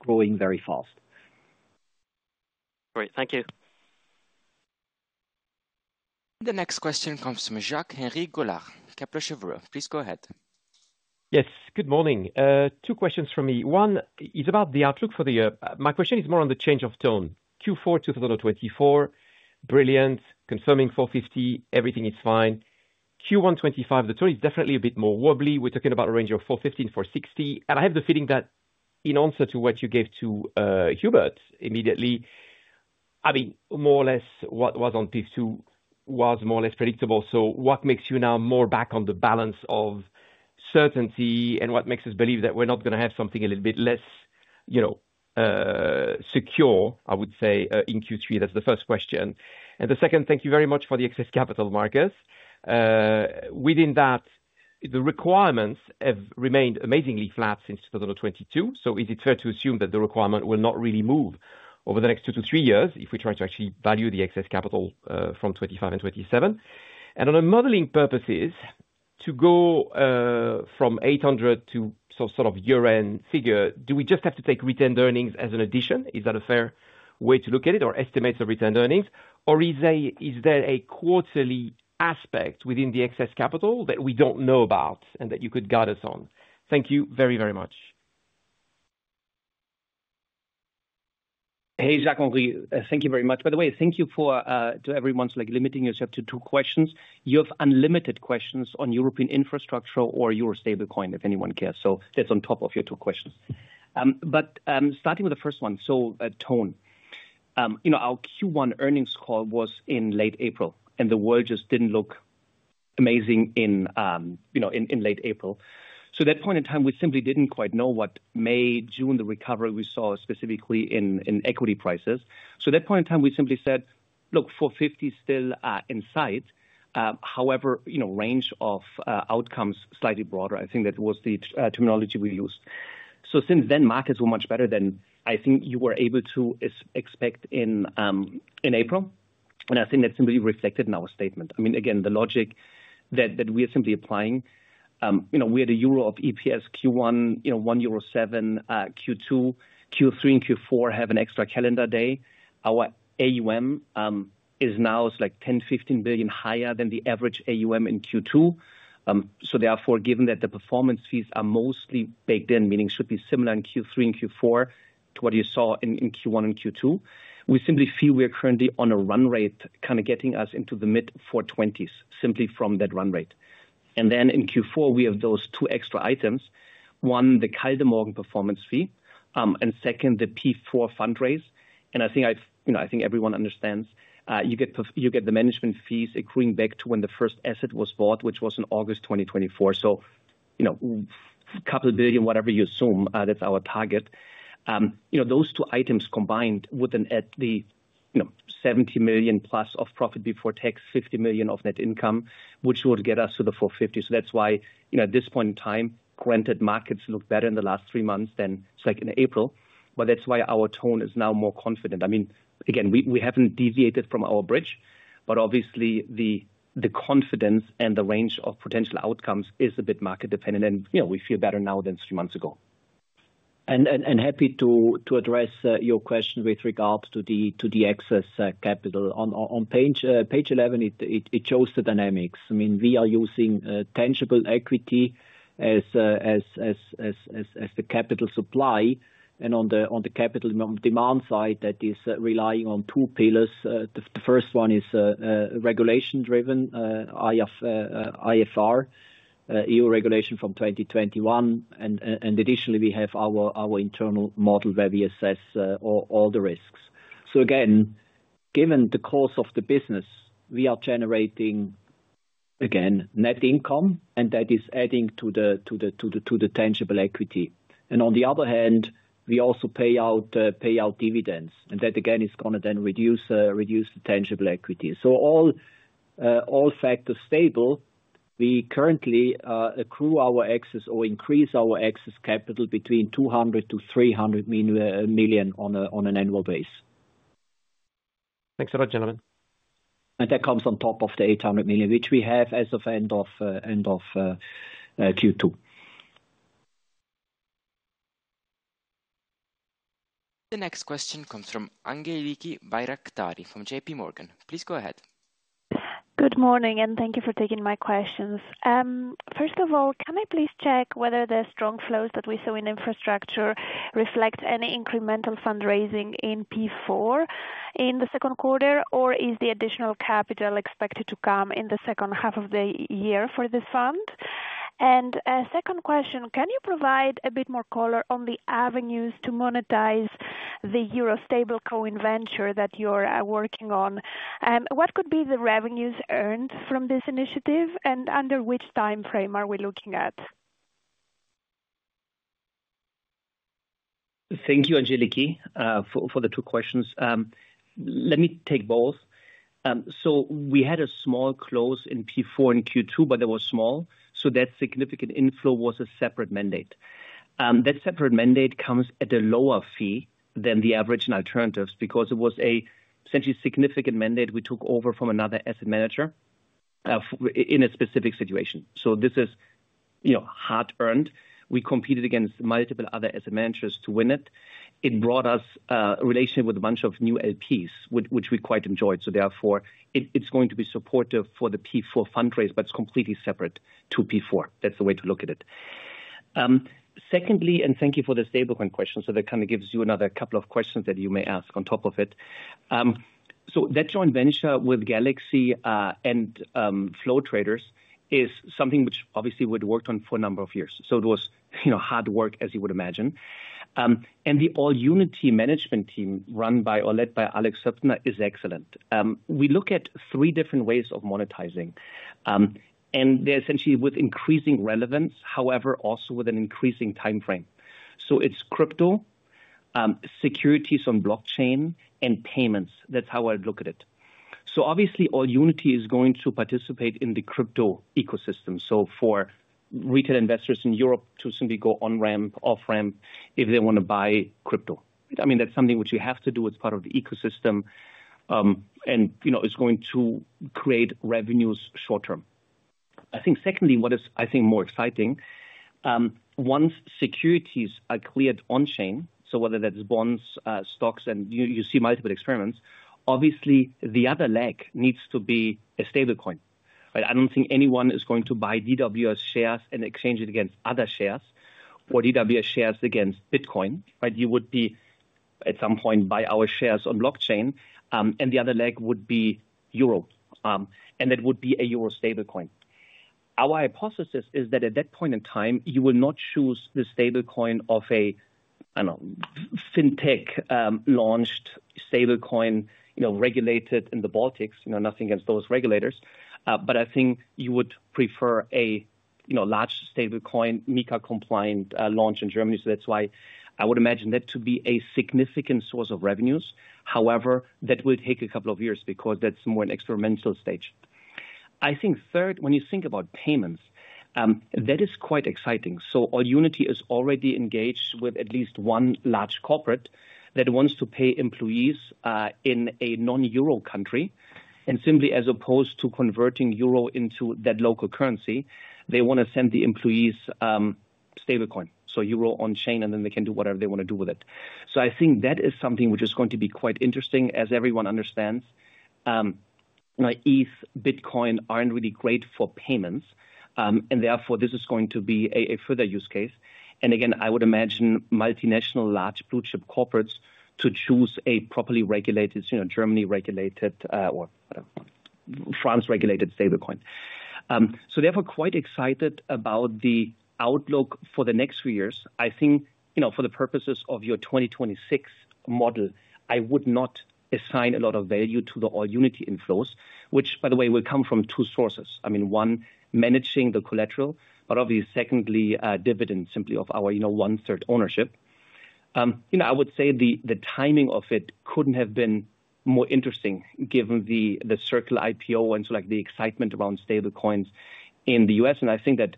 growing very fast. Great. Thank you. The next question comes from Jacques-Henri Gaulard, Kepler Cheuvreux, please go ahead. Yes. Good morning. Two questions from me. One is about the outlook for the year. My question is more on the change of tone. Q4 2024, brilliant. Confirming 4.50, everything is fine. Q1 2025, the tone is definitely a bit more wobbly. We're talking about a range of 4.50-4.60. I have the feeling that in answer to what you gave to Hubert immediately, I mean, more or less what was on PEEF 2 was more or less predictable. What makes you now more back on the balance of certainty and what makes us believe that we're not going to have something a little bit less secure, I would say, in Q3? That's the first question. The second, thank you very much for the excess capital, Markus. Within that, the requirements have remained amazingly flat since 2022. Is it fair to assume that the requirement will not really move over the next two to three years if we try to actually value the excess capital from 2025 and 2027? On a modeling purposes, to go from 800 to some sort of year-end figure, do we just have to take returned earnings as an addition? Is that a fair way to look at it or estimate the returned earnings? Or is there a quarterly aspect within the excess capital that we do not know about and that you could guide us on? Thank you very, very much. Hey, Jacques-Henri, thank you very much. By the way, thank you for, to everyone's, like, limiting yourself to two questions. You have unlimited questions on European infrastructure or your stablecoin, if anyone cares. That is on top of your two questions. Starting with the first one, tone. Our Q1 earnings call was in late April, and the world just did not look amazing in late April. At that point in time, we simply did not quite know what May, June, the recovery we saw specifically in equity prices. At that point in time, we simply said, look, 4.50 still in sight. However, range of outcomes slightly broader, I think that was the terminology we used. Since then, markets were much better than I think you were able to expect in April. I think that is simply reflected in our statement. I mean, again, the logic that we are simply applying. We had a euro of EPS Q1, 1.70 euro, Q2, Q3, and Q4 have an extra calendar day. Our AUM is now like 10-15 billion higher than the average AUM in Q2. Therefore, given that the performance fees are mostly baked in, meaning it should be similar in Q3 and Q4 to what you saw in Q1 and Q2, we simply feel we are currently on a run rate kind of getting us into the mid-420s simply from that run rate. In Q4, we have those two extra items. One, the Concept Kaldemorgen performance fee, and second, the PEIF IV fundraise. I think everyone understands you get the management fees accruing back to when the first asset was bought, which was in August 2024. A couple of billion, whatever you assume, that is our target. Those two items combined would then add the 70 million plus of profit before tax, 50 million of net income, which would get us to the 450. That is why at this point in time, granted, markets look better in the last three months than it is like in April, but that is why our tone is now more confident. I mean, again, we have not deviated from our bridge, but obviously the confidence and the range of potential outcomes is a bit market dependent. We feel better now than three months ago. Happy to address your question with regards to the excess capital. On page 11, it shows the dynamics. We are using tangible equity as the capital supply. On the capital demand side, that is relying on two pillars. The first one is regulation-driven, IFR. EU regulation from 2021. Additionally, we have our internal model where we assess all the risks. Again, given the course of the business, we are generating, again, net income, and that is adding to the tangible equity. On the other hand, we also pay out dividends. That, again, is going to then reduce the tangible equity. All factors stable, we currently accrue or increase our excess capital between 200 million to 300 million on an annual base. Thanks a lot, gentlemen. That comes on top of the 800 million, which we have as of end of Q2. The next question comes from Angeliki Bairaktari from JPMorgan. Please go ahead. Good morning, and thank you for taking my questions. First of all, can I please check whether the strong flows that we saw in infrastructure reflect any incremental fundraising in PEIF IV in the second quarter, or is the additional capital expected to come in the second half of the year for this fund? Second question, can you provide a bit more color on the avenues to monetize the euro stablecoin venture that you're working on? What could be the revenues earned from this initiative, and under which time frame are we looking at? Thank you, Angeliki, for the two questions. Let me take both. We had a small close in PEIF IV and Q2, but they were small. That significant inflow was a separate mandate. That separate mandate comes at a lower fee than the average in alternatives because it was a significant mandate we took over from another asset manager in a specific situation. This is hard-earned. We competed against multiple other asset managers to win it. It brought us a relationship with a bunch of new LPs, which we quite enjoyed. Therefore, it is going to be supportive for the PEIF IV fundraise, but it is completely separate to PEIF IV. That is the way to look at it. Thank you for the stablecoin question. That kind of gives you another couple of questions that you may ask on top of it. That joint venture with Galaxy and Flow Traders is something which obviously we had worked on for a number of years. It was hard work, as you would imagine. The AllUnity management team run by or led by Alex Hoeptner is excellent. We look at three different ways of monetizing, and they are essentially with increasing relevance, however, also with an increasing time frame. It is crypto, securities on blockchain, and payments. That is how I would look at it. AllUnity is going to participate in the crypto ecosystem. For retail investors in Europe to simply go on-ramp, off-ramp if they want to buy crypto, I mean, that is something which you have to do. It is part of the ecosystem, and it is going to create revenues short term. I think, secondly, what is, I think, more exciting, once securities are cleared on-chain, so whether that is bonds, stocks, and you see multiple experiments, obviously, the other leg needs to be a stablecoin. I don't think anyone is going to buy DWS shares and exchange it against other shares or DWS shares against Bitcoin. You would be, at some point, buy our shares on blockchain, and the other leg would be euro. And that would be a euro stablecoin. Our hypothesis is that at that point in time, you will not choose the stablecoin of a, I don't know, fintech-launched stablecoin regulated in the Baltics. Nothing against those regulators. But I think you would prefer a large stablecoin, MiCA-compliant launch in Germany. So, that's why I would imagine that to be a significant source of revenues. However, that will take a couple of years because that's more an experimental stage. I think third, when you think about payments, that is quite exciting. AllUnity is already engaged with at least one large corporate that wants to pay employees in a non-euro country. And simply, as opposed to converting euro into that local currency, they want to send the employees stablecoin. So, euro on-chain, and then they can do whatever they want to do with it. I think that is something which is going to be quite interesting, as everyone understands. ETH Bitcoin aren't really great for payments. Therefore, this is going to be a further use case. Again, I would imagine multinational large blue-chip corporates to choose a properly regulated, Germany-regulated or France-regulated stablecoin. Therefore, quite excited about the outlook for the next few years. I think for the purposes of your 2026 model, I would not assign a lot of value to the AllUnity inflows, which by the way, will come from two sources. I mean, one, managing the collateral, but obviously, secondly, dividends simply of our one-third ownership. I would say the timing of it couldn't have been more interesting given the circular IPO and the excitement around stablecoins in the U.S., I think that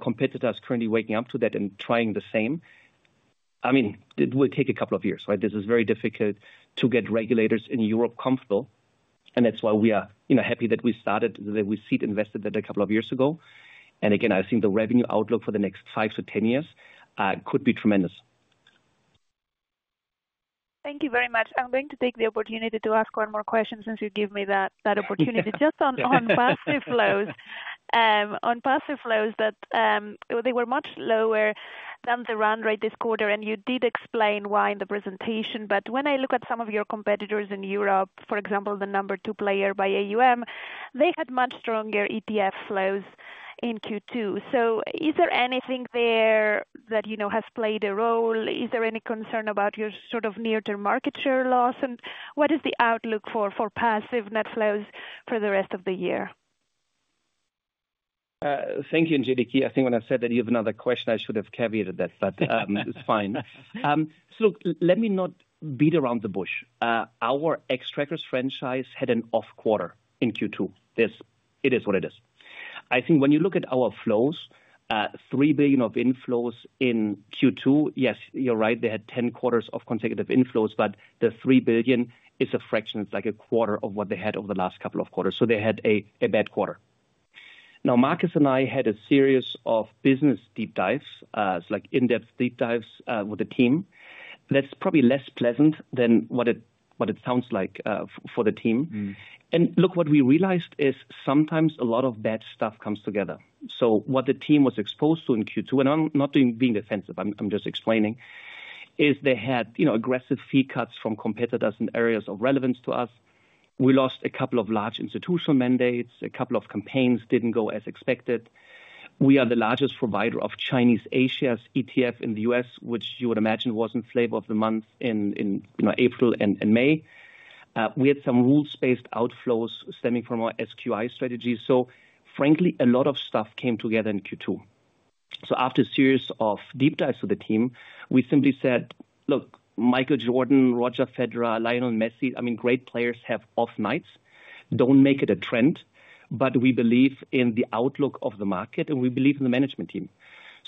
competitors currently waking up to that and trying the same. I mean, it will take a couple of years. This is very difficult to get regulators in Europe comfortable. That's why we are happy that we started, that we seat invested that a couple of years ago. Again, I think the revenue outlook for the next five to ten years could be tremendous. Thank you very much. I'm going to take the opportunity to ask one more question since you gave me that opportunity. Just on passive flows. On passive flows, that they were much lower than the round rate this quarter, and you did explain why in the presentation. But when I look at some of your competitors in Europe, for example, the number two player by AUM, they had much stronger ETF flows in Q2. Is there anything there that has played a role? Is there any concern about your sort of near-term market share loss? What is the outlook for passive net flows for the rest of the year? Thank you, Angeliki. I think when I said that you have another question, I should have caveated that, but it's fine. Look, let me not beat around the bush. Our Xtrackers franchise had an off quarter in Q2. It is what it is. I think when you look at our flows, 3 billion of inflows in Q2, yes, you're right, they had 10 quarters of consecutive inflows, but the 3 billion is a fraction. It's like a quarter of what they had over the last couple of quarters. They had a bad quarter. Now, Markus and I had a series of business deep dives, like in-depth deep dives with the team. That's probably less pleasant than what it sounds like for the team. What we realized is sometimes a lot of bad stuff comes together. What the team was exposed to in Q2, and I'm not being defensive, I'm just explaining, is they had aggressive fee cuts from competitors in areas of relevance to us. We lost a couple of large institutional mandates. A couple of campaigns did not go as expected. We are the largest provider of Chinese Asia's ETF in the U.S., which you would imagine was in flavor of the month in April and May. We had some rules-based outflows stemming from our SQI strategy. Frankly, a lot of stuff came together in Q2. After a series of deep dives with the team, we simply said, look, Michael Jordan, Roger Federer, Lionel Messi, I mean, great players have off nights. Do not make it a trend, but we believe in the outlook of the market and we believe in the management team.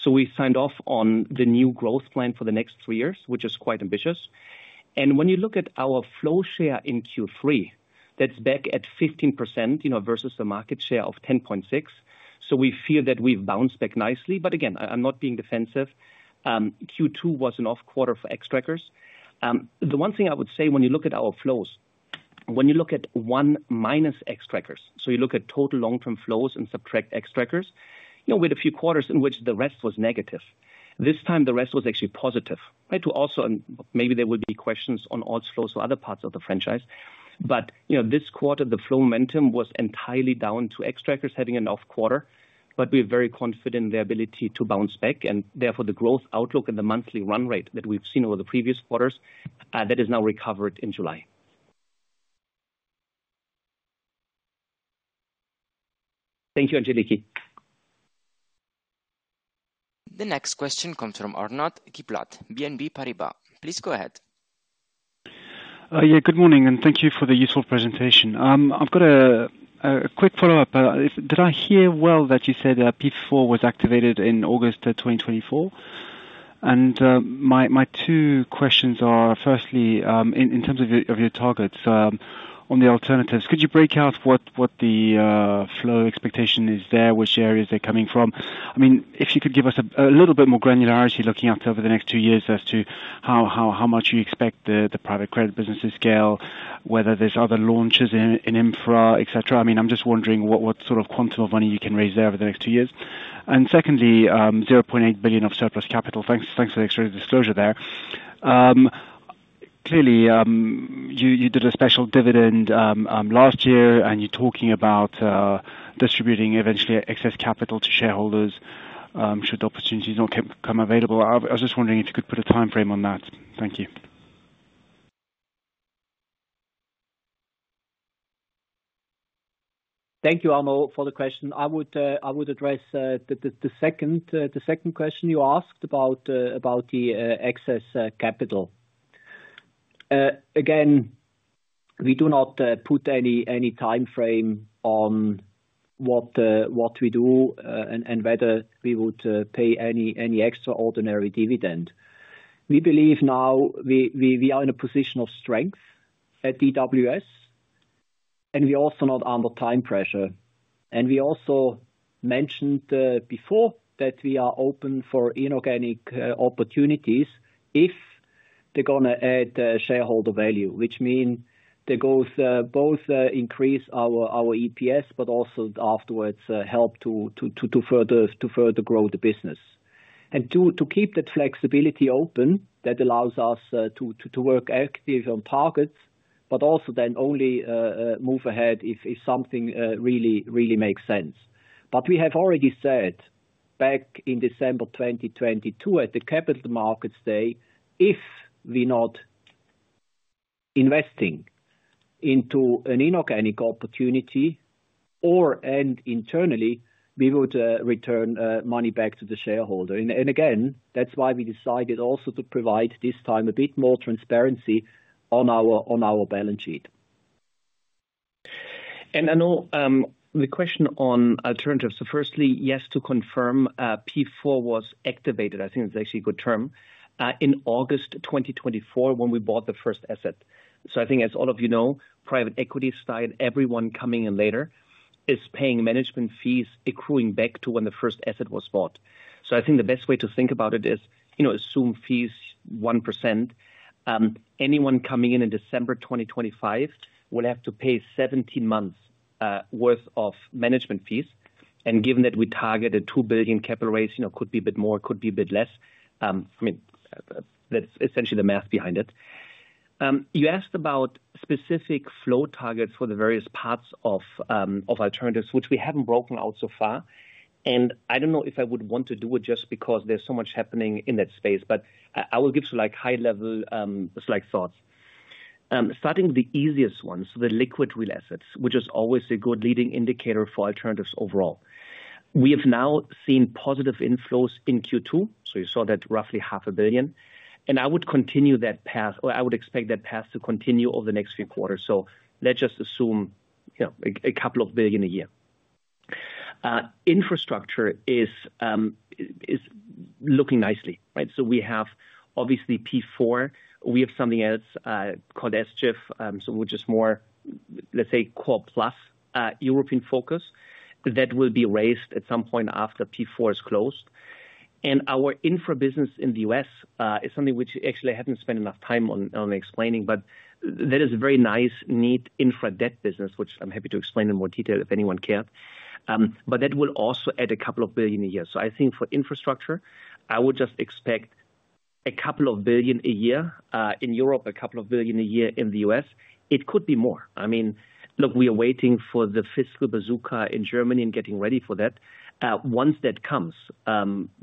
We signed off on the new growth plan for the next three years, which is quite ambitious. When you look at our flow share in Q3, that's back at 15% versus the market share of 10.6%. We feel that we've bounced back nicely. Again, I'm not being defensive. Q2 was an off quarter for Xtrackers. The one thing I would say when you look at our flows, when you look at one minus Xtrackers, so you look at total long-term flows and subtract Xtrackers, we had a few quarters in which the rest was negative. This time, the rest was actually positive. Also, maybe there will be questions on odds flows for other parts of the franchise. This quarter, the flow momentum was entirely down to Xtrackers having an off quarter. We are very confident in their ability to bounce back. Therefore, the growth outlook and the monthly run rate that we've seen over the previous quarters, that has now recovered in July. Thank you, Angeliki. The next question comes from Arnold Kiplat, BNP Pariba. Please go ahead. Yeah, good morning and thank you for the useful presentation. I've got a quick follow-up. Did I hear well that you said PEIF IV was activated in August 2024? And my two questions are, firstly, in terms of your targets on the alternatives, could you break out what the flow expectation is there, which areas they're coming from? I mean, if you could give us a little bit more granularity looking out over the next two years as to how much you expect the private credit business to scale, whether there's other launches in infra, etc. I mean, I'm just wondering what sort of quantum of money you can raise there over the next two years. And secondly, 0.8 billion of surplus capital. Thanks for the extra disclosure there. Clearly, you did a special dividend last year, and you're talking about distributing eventually excess capital to shareholders should the opportunity not become available. I was just wondering if you could put a time frame on that. Thank you. Thank you, Arnold, for the question. I would address the second question you asked about the excess capital. Again, we do not put any time frame on what we do and whether we would pay any extraordinary dividend. We believe now we are in a position of strength at DWS, and we're also not under time pressure. We also mentioned before that we are open for inorganic opportunities if they're going to add shareholder value, which means they both increase our EPS, but also afterwards help to further grow the business. To keep that flexibility open, that allows us to work actively on targets, but also then only move ahead if something really makes sense. We have already said back in December 2022 at the Capital Markets Day, if we're not investing into an inorganic opportunity or internally, we would return money back to the shareholder. Again, that's why we decided also to provide this time a bit more transparency on our balance sheet. I know the question on alternatives. Firstly, yes, to confirm, PEIF IV was activated. I think that's actually a good term. In August 2024, when we bought the first asset. I think, as all of you know, private equity style, everyone coming in later is paying management fees accruing back to when the first asset was bought. I think the best way to think about it is assume fees 1%. Anyone coming in in December 2025 will have to pay 17 months' worth of management fees. Given that we targeted 2 billion capital raise, could be a bit more, could be a bit less. I mean, that's essentially the math behind it. You asked about specific flow targets for the various parts of alternatives, which we haven't broken out so far. I don't know if I would want to do it just because there's so much happening in that space. I will give some high-level thoughts. Starting with the easiest ones, the liquid real assets, which is always a good leading indicator for alternatives overall. We have now seen positive inflows in Q2. You saw that roughly $500,000,000. I would continue that path, or I would expect that path to continue over the next few quarters. Let's just assume a couple of billion a year. Infrastructure is looking nicely. We have obviously PEIF IV. We have something else called SGIF, which is more, let's say, core plus European focus that will be raised at some point after PEIF IV is closed. Our infra business in the U.S. is something which actually I haven't spent enough time on explaining, but that is a very nice, neat infra debt business, which I'm happy to explain in more detail if anyone cared. That will also add a couple of billion a year. For infrastructure, I would just expect a couple of billion a year in Europe, a couple of billion a year in the U.S., it could be more. I mean, look, we are waiting for the fiscal bazooka in Germany and getting ready for that. Once that comes,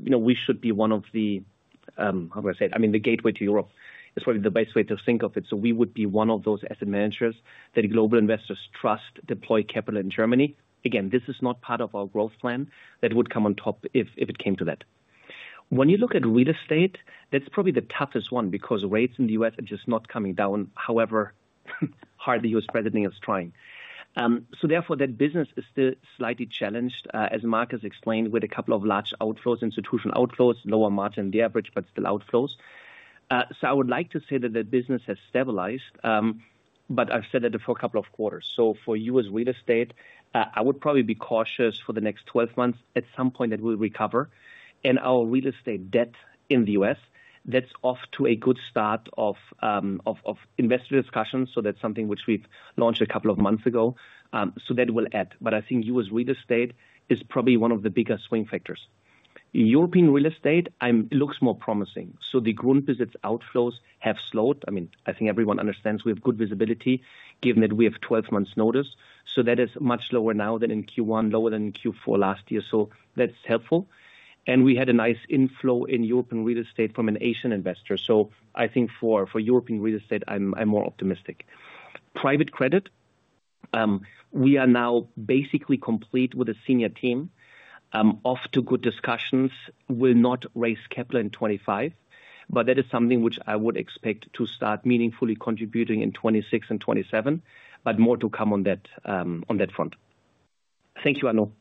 we should be one of the, how do I say it? I mean, the gateway to Europe is probably the best way to think of it. We would be one of those asset managers that global investors trust, deploy capital in Germany. Again, this is not part of our growth plan. That would come on top if it came to that. When you look at real estate, that's probably the toughest one because rates in the U.S. are just not coming down, however hard the US president is trying. Therefore, that business is still slightly challenged, as Markus explained, with a couple of large outflows, institutional outflows, lower margin than the average, but still outflows. I would like to say that the business has stabilized, but I've said that for a couple of quarters. For US real estate, I would probably be cautious for the next 12 months. At some point that will recover. Our real estate debt in the U.S., that's off to a good start of investor discussions. That's something which we've launched a couple of months ago. That will add. I think US real estate is probably one of the biggest swing factors. European real estate looks more promising. The Grundbesitz outflows have slowed. I think everyone understands we have good visibility given that we have 12 months' notice. That is much lower now than in Q1, lower than in Q4 last year. That's helpful. We had a nice inflow in European real estate from an Asian investor. For European real estate, I'm more optimistic. Private credit, we are now basically complete with a senior team. Off to good discussions. We'll not raise capital in 2025, but that is something which I would expect to start meaningfully contributing in 2026 and 2027, but more to come on that front. Thank you, Arnold.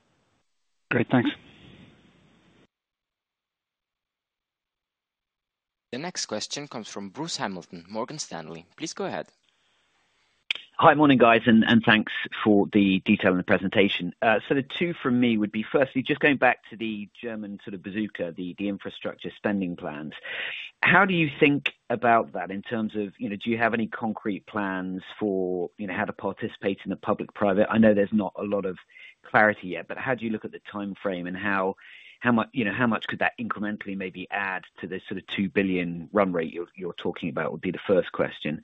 Great, thanks. The next question comes from Bruce Hamilton, Morgan Stanley. Please go ahead. Hi, morning, guys, and thanks for the detail in the presentation. The two for me would be firstly, just going back to the German sort of bazooka, the infrastructure spending plans. How do you think about that in terms of, do you have any concrete plans for how to participate in the public-private? I know there is not a lot of clarity yet, but how do you look at the time frame and how much could that incrementally maybe add to the sort of 2 billion run rate you are talking about would be the first question.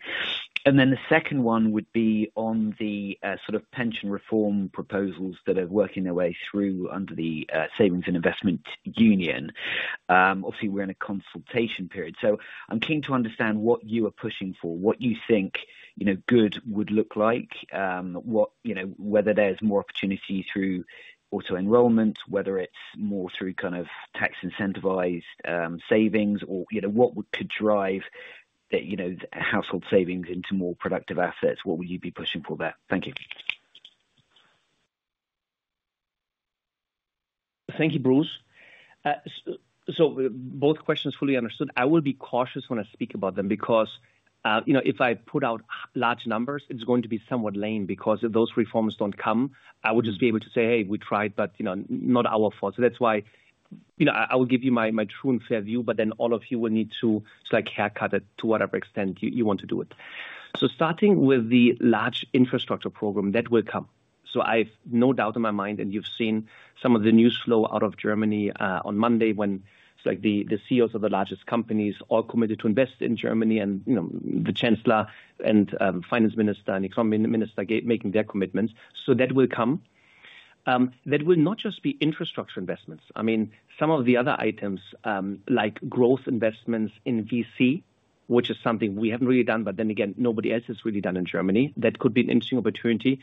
The second one would be on the sort of pension reform proposals that are working their way through under the Savings and Investment Union. Obviously, we are in a consultation period. I am keen to understand what you are pushing for, what you think good would look like. Whether there is more opportunity through auto enrollment, whether it is more through kind of tax-incentivized savings, or what could drive household savings into more productive assets. What would you be pushing for there? Thank you. Thank you, Bruce. Both questions fully understood. I will be cautious when I speak about them because if I put out large numbers, it is going to be somewhat lame because if those reforms do not come, I would just be able to say, "Hey, we tried, but not our fault." That is why I will give you my true and fair view, but then all of you will need to haircut it to whatever extent you want to do it. Starting with the large infrastructure program, that will come. I have no doubt in my mind, and you have seen some of the news flow out of Germany on Monday when the CEOs of the largest companies are committed to invest in Germany and the Chancellor and Finance Minister and Economy Minister making their commitments. That will come. That will not just be infrastructure investments. I mean, some of the other items like growth investments in VC, which is something we have not really done, but then again, nobody else has really done in Germany. That could be an interesting opportunity.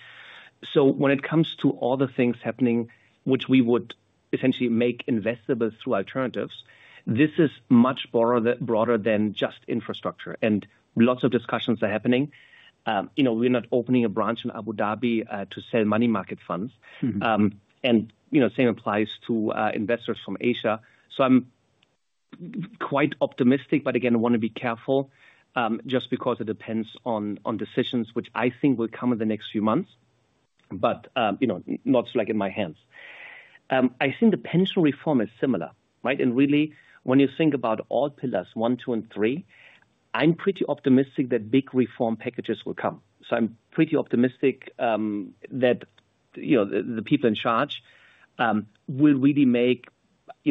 When it comes to all the things happening, which we would essentially make investable through alternatives, this is much broader than just infrastructure. Lots of discussions are happening. We are not opening a branch in Abu Dhabi to sell money market funds. The same applies to investors from Asia. I am quite optimistic, but again, I want to be careful just because it depends on decisions, which I think will come in the next few months, but not in my hands. I think the pension reform is similar, right? Really, when you think about all pillars, one, two, and three, I am pretty optimistic that big reform packages will come. I am pretty optimistic that the people in charge. Will really make,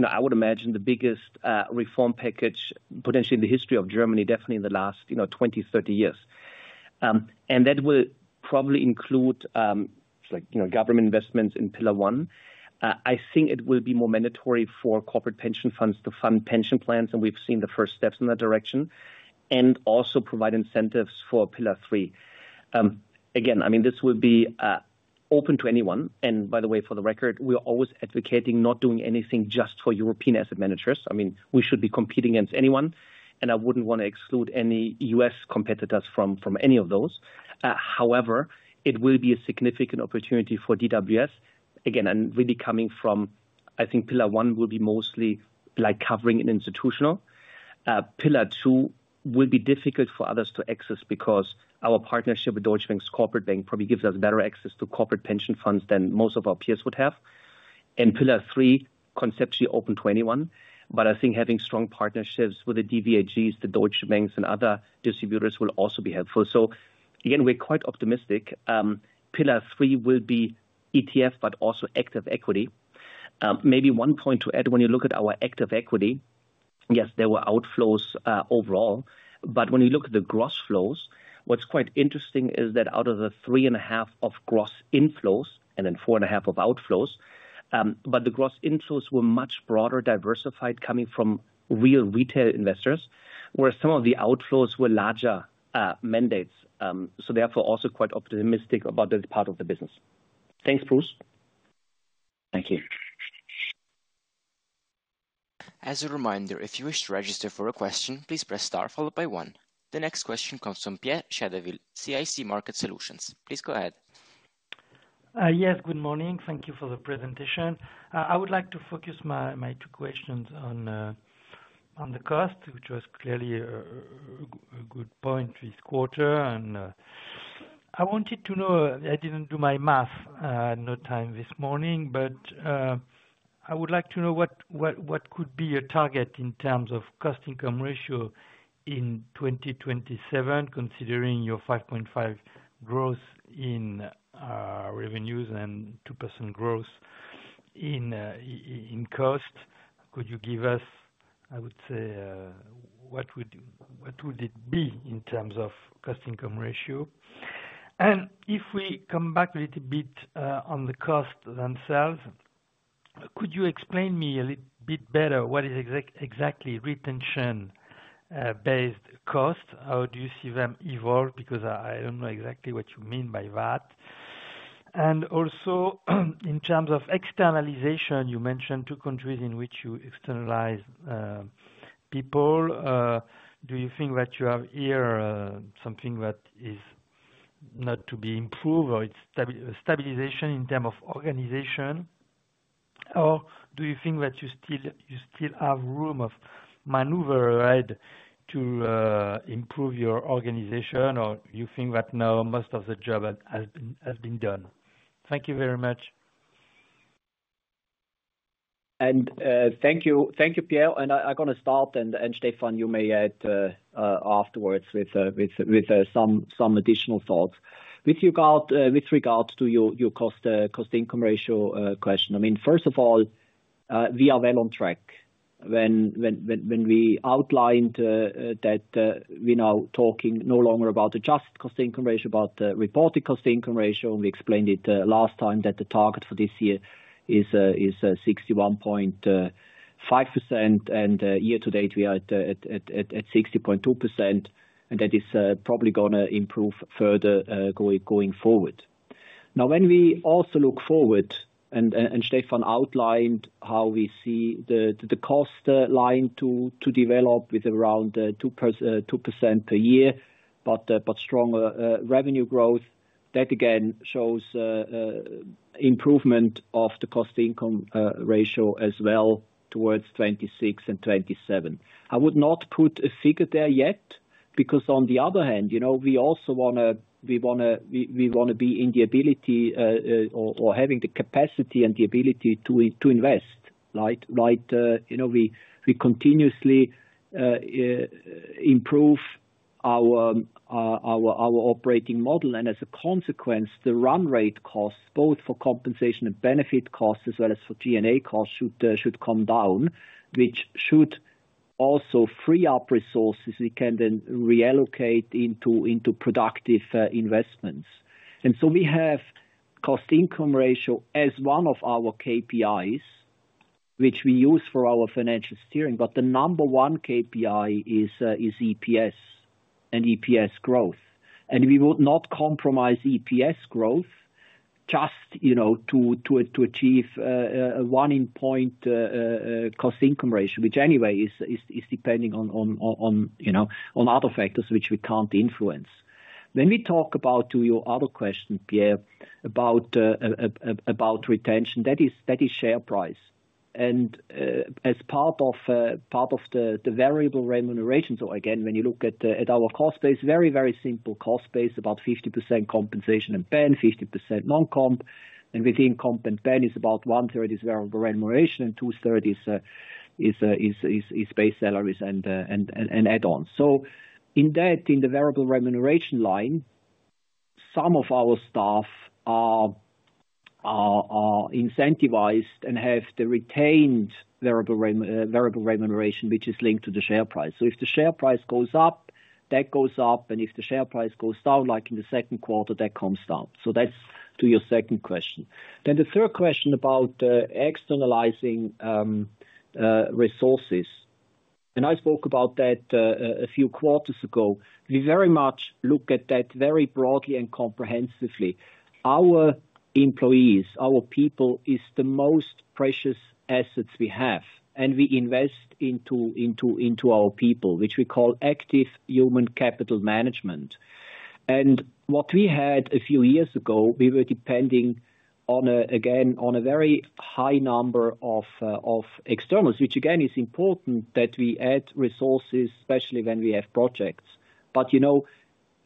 I would imagine, the biggest reform package potentially in the history of Germany, definitely in the last 20 to 30 years. That will probably include government investments in pillar one. I think it will be more mandatory for corporate pension funds to fund pension plans, and we've seen the first steps in that direction, and also provide incentives for pillar three. Again, I mean, this will be open to anyone. By the way, for the record, we're always advocating not doing anything just for European asset managers. I mean, we should be competing against anyone, and I wouldn't want to exclude any U.S. competitors from any of those. However, it will be a significant opportunity for DWS. Again, I'm really coming from, I think pillar one will be mostly covering an institutional. Pillar two will be difficult for others to access because our partnership with Deutsche Bank's corporate bank probably gives us better access to corporate pension funds than most of our peers would have. Pillar three, conceptually open to anyone, but I think having strong partnerships with the DVAGs, the Deutsche Banks, and other distributors will also be helpful. Again, we're quite optimistic. Pillar three will be ETF, but also active equity. Maybe one point to add, when you look at our active equity, yes, there were outflows overall, but when you look at the gross flows, what's quite interesting is that out of the 3.5 of gross inflows and then 4.5 of outflows, but the gross inflows were much broader, diversified, coming from real retail investors, whereas some of the outflows were larger mandates. Therefore, also quite optimistic about this part of the business. Thanks, Bruce. Thank you. As a reminder, if you wish to register for a question, please press star followed by one. The next question comes from Pierre Chédeville, CIC Market Solutions. Please go ahead. Yes, good morning. Thank you for the presentation. I would like to focus my two questions on the cost, which was clearly a good point this quarter. I wanted to know, I didn't do my math, no time this morning, but I would like to know what could be your target in terms of cost-income ratio in 2027, considering your 5.5% growth in revenues, and 2% growth in cost. Could you give us, I would say, what would it be in terms of cost-income ratio? If we come back a little bit on the cost themselves, could you explain me a little bit better what is exactly retention-based cost? How do you see them evolve? Because I don't know exactly what you mean by that. Also, in terms of externalization, you mentioned two countries in which you externalize people. Do you think that you have here something that is not to be improved or stabilization in terms of organization? Or do you think that you still have room of maneuver ahead to improve your organization, or do you think that now most of the job has been done? Thank you very much. Thank you, Pierre. I am going to start, and Stefan, you may add afterwards with some additional thoughts. With regards to your cost-income ratio question, I mean, first of all, we are well on track. When we outlined that we are now talking no longer about just cost-income ratio, but reported cost-income ratio, and we explained it last time that the target for this year is 61.5%, and year to date, we are at 60.2%, and that is probably going to improve further going forward. Now, when we also look forward, and Stefan outlined how we see the cost line to develop with around 2% per year, but stronger revenue growth, that again shows improvement of the cost-income ratio as well towards 2026 and 2027. I would not put a figure there yet because on the other hand, we also want to be in the ability or having the capacity and the ability to invest. We continuously improve our operating model, and as a consequence, the run rate cost, both for compensation and benefit costs, as well as for G&A costs, should come down, which should also free up resources we can then reallocate into productive investments. We have cost-income ratio as one of our KPIs, which we use for our financial steering, but the number one KPI is EPS and EPS growth. We would not compromise EPS growth just to achieve a one-point cost-income ratio, which anyway is depending on other factors which we cannot influence. When we talk about your other question, Pierre, about retention, that is share price. As part of the variable remuneration, when you look at our cost base, very, very simple cost base, about 50% compensation and pen, 50% non-comp, and within comp and pen is about one-third variable remuneration and two-thirds base salaries and add-ons. In the variable remuneration line, some of our staff are incentivized and have the retained variable remuneration, which is linked to the share price. If the share price goes up, that goes up, and if the share price goes down, like in the second quarter, that comes down. That is to your second question. The third question about externalizing resources, and I spoke about that a few quarters ago. We very much look at that very broadly and comprehensively. Our employees, our people, is the most precious asset we have, and we invest into our people, which we call active human capital management. What we had a few years ago, we were depending on, again, on a very high number of external, which again is important that we add resources, especially when we have projects.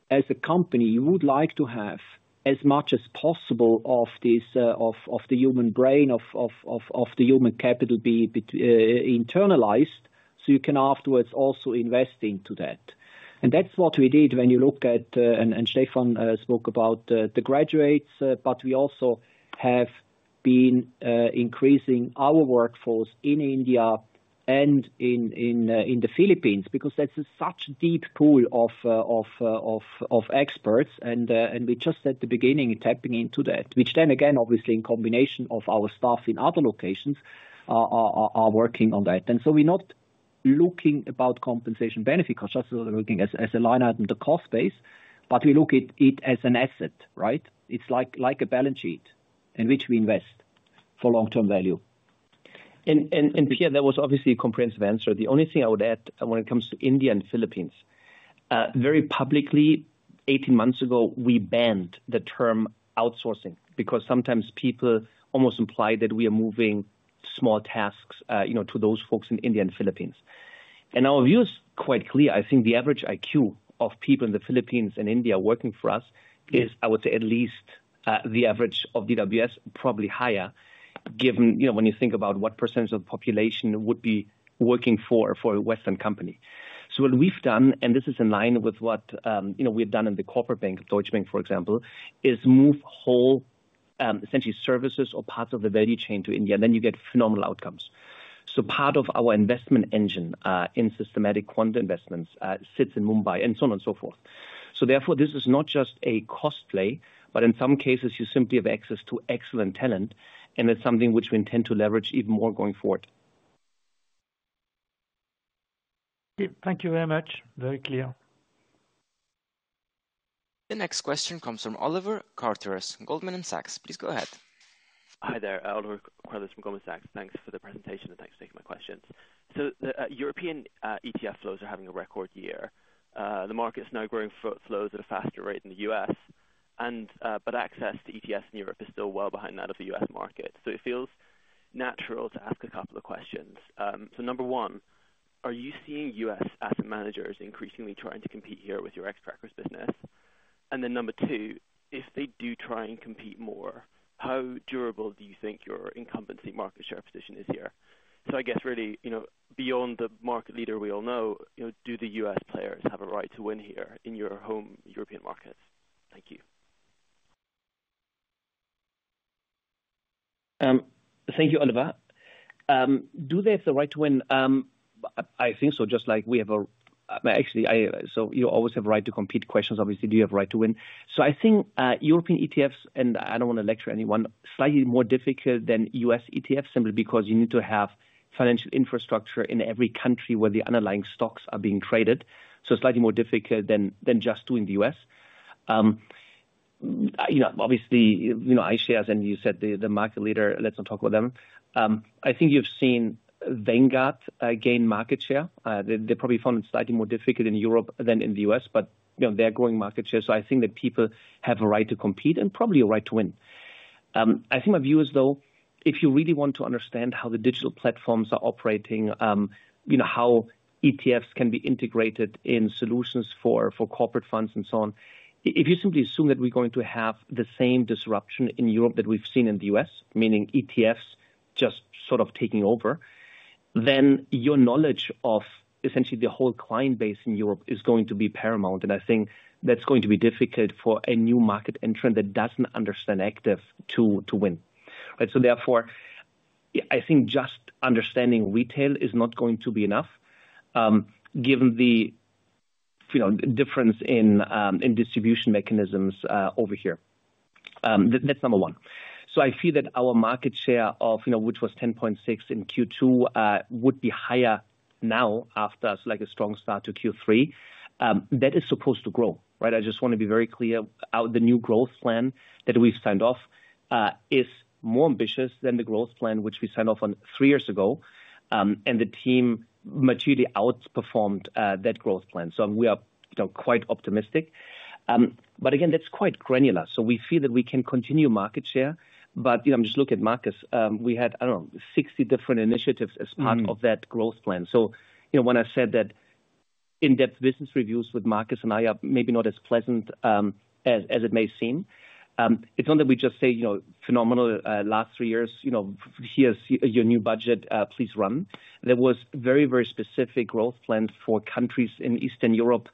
As a company, you would like to have as much as possible of the human brain, of the human capital be internalized, so you can afterwards also invest into that. That is what we did when you look at, and Stefan spoke about the graduates, but we also have been increasing our workforce in India and in the Philippines because that is such a deep pool of experts, and we are just at the beginning tapping into that, which then again, obviously, in combination with our staff in other locations, are working on that. We are not looking at compensation benefit cost just as a line item in the cost base, but we look at it as an asset, right? It is like a balance sheet in which we invest for long-term value. Pierre, that was obviously a comprehensive answer. The only thing I would add when it comes to India and the Philippines, very publicly, 18 months ago, we banned the term outsourcing because sometimes people almost imply that we are moving small tasks to those folks in India and the Philippines. Our view is quite clear. I think the average IQ of people in the Philippines and India working for us is, I would say, at least the average of DWS, probably higher, given when you think about what percentage of the population would be working for a Western company. What we have done, and this is in line with what we have done in the corporate bank, Deutsche Bank, for example, is move whole, essentially, services or parts of the value chain to India, and then you get phenomenal outcomes. Part of our investment engine in systematic quant investments sits in Mumbai and so on and so forth. Therefore, this is not just a cost play, but in some cases, you simply have access to excellent talent, and it is something which we intend to leverage even more going forward. Thank you very much. Very clear. The next question comes from Oliver Carruthers, Goldman Sachs. Please go ahead. Hi there. Oliver Carruthers from Goldman Sachs. Thanks for the presentation, and thanks for taking my questions. The European ETF flows are having a record year. The market is now growing flows at a faster rate in the U.S., but access to ETFs in Europe is still well behind that of the US market. It feels natural to ask a couple of questions. Number one, are you seeing US asset managers increasingly trying to compete here with your Xtrackers business? Number two, if they do try and compete more, how durable do you think your incumbency market share position is here? I guess really, beyond the market leader we all know, do the US players have a right to win here in your home European markets? Thank you. Thank you, Oliver. Do they have the right to win? I think so, just like we have a—actually, you always have a right to compete questions. Obviously, do you have a right to win? I think European ETFs, and I do not want to lecture anyone, are slightly more difficult than US ETFs simply because you need to have financial infrastructure in every country where the underlying stocks are being traded. Slightly more difficult than just doing the U.S. Obviously, iShares, and you said the market leader, let's not talk about them. I think you have seen Vanguard gain market share. They are probably found slightly more difficult in Europe than in the U.S., but they are growing market share. I think that people have a right to compete and probably a right to win. My view is, though, if you really want to understand how the digital platforms are operating, how ETFs can be integrated in solutions for corporate funds and so on, if you simply assume that we are going to have the same disruption in Europe that we have seen in the U.S., meaning ETFs just sort of taking over, then your knowledge of essentially the whole client base in Europe is going to be paramount. I think that is going to be difficult for a new market entrant that does not understand active to win. Therefore, I think just understanding retail is not going to be enough, given the difference in distribution mechanisms over here. That is number one. I feel that our market share, which was 10.6% in Q2, would be higher now after a strong start to Q3. That is supposed to grow, right? I just want to be very clear that the new growth plan that we have signed off is more ambitious than the growth plan which we signed off on three years ago, and the team materially outperformed that growth plan. We are quite optimistic. Again, that is quite granular. We feel that we can continue market share, but I am just looking at Markus. We had, I do not know, 60 different initiatives as part of that growth plan. When I said that in-depth business reviews with Markus and I are maybe not as pleasant as it may seem, it is not that we just say phenomenal last three years, here is your new budget, please run. There were very, very specific growth plans for countries in Eastern Europe,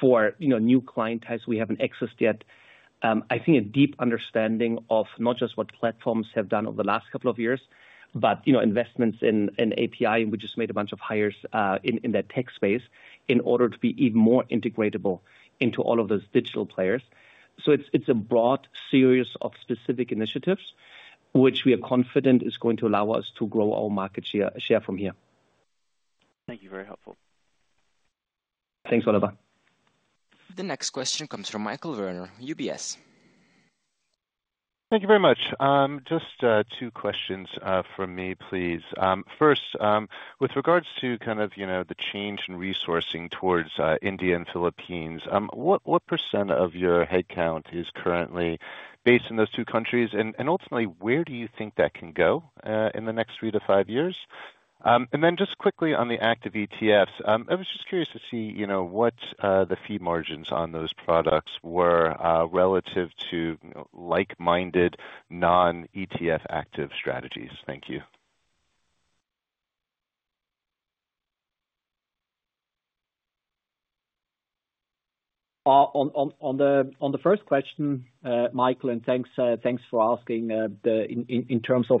for new client types we have not accessed yet. I think a deep understanding of not just what platforms have done over the last couple of years, but investments in API, and we just made a bunch of hires in that tech space in order to be even more integratable into all of those digital players. It is a broad series of specific initiatives which we are confident is going to allow us to grow our market share from here. Thank you. Very helpful. Thanks, Oliver. The next question comes from Michael Werner, UBS. Thank you very much. Just two questions from me, please. First, with regards to kind of the change in resourcing towards India and the Philippines, what percent of your headcount is currently based in those two countries? Ultimately, where do you think that can go in the next three to five years? Just quickly on the active ETFs, I was just curious to see what the fee margins on those products were relative to like-minded non-ETF active strategies. Thank you. On the first question, Michael, and thanks for asking. In terms of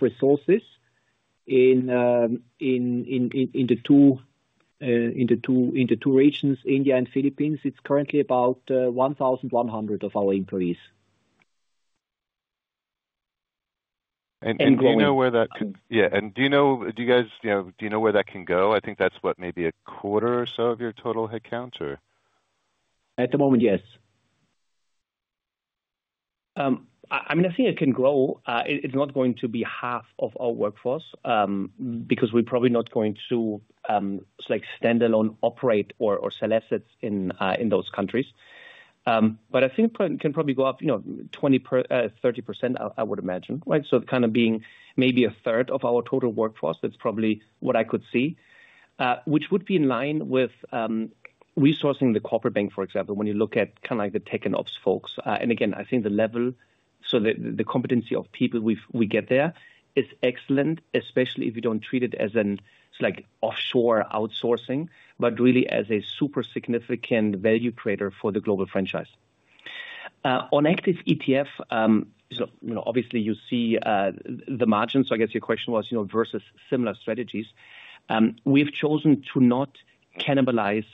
resources in the two regions, India and the Philippines, it's currently about 1,100 of our employees. Do you know where that can—yeah. Do you guys—do you know where that can go? I think that's what, maybe a quarter or so of your total headcount, or? At the moment, yes. I mean, I think it can grow. It's not going to be half of our workforce because we're probably not going to stand alone, operate, or sell assets in those countries. I think it can probably go up 20-30%, I would imagine, right? Kind of being maybe a third of our total workforce, that's probably what I could see, which would be in line with resourcing the corporate bank, for example, when you look at kind of the tech and ops folks. I think the level, so the competency of people we get there is excellent, especially if you don't treat it as an offshore outsourcing, but really as a super significant value creator for the global franchise. On active ETF, obviously, you see the margin. I guess your question was versus similar strategies. We've chosen to not cannibalize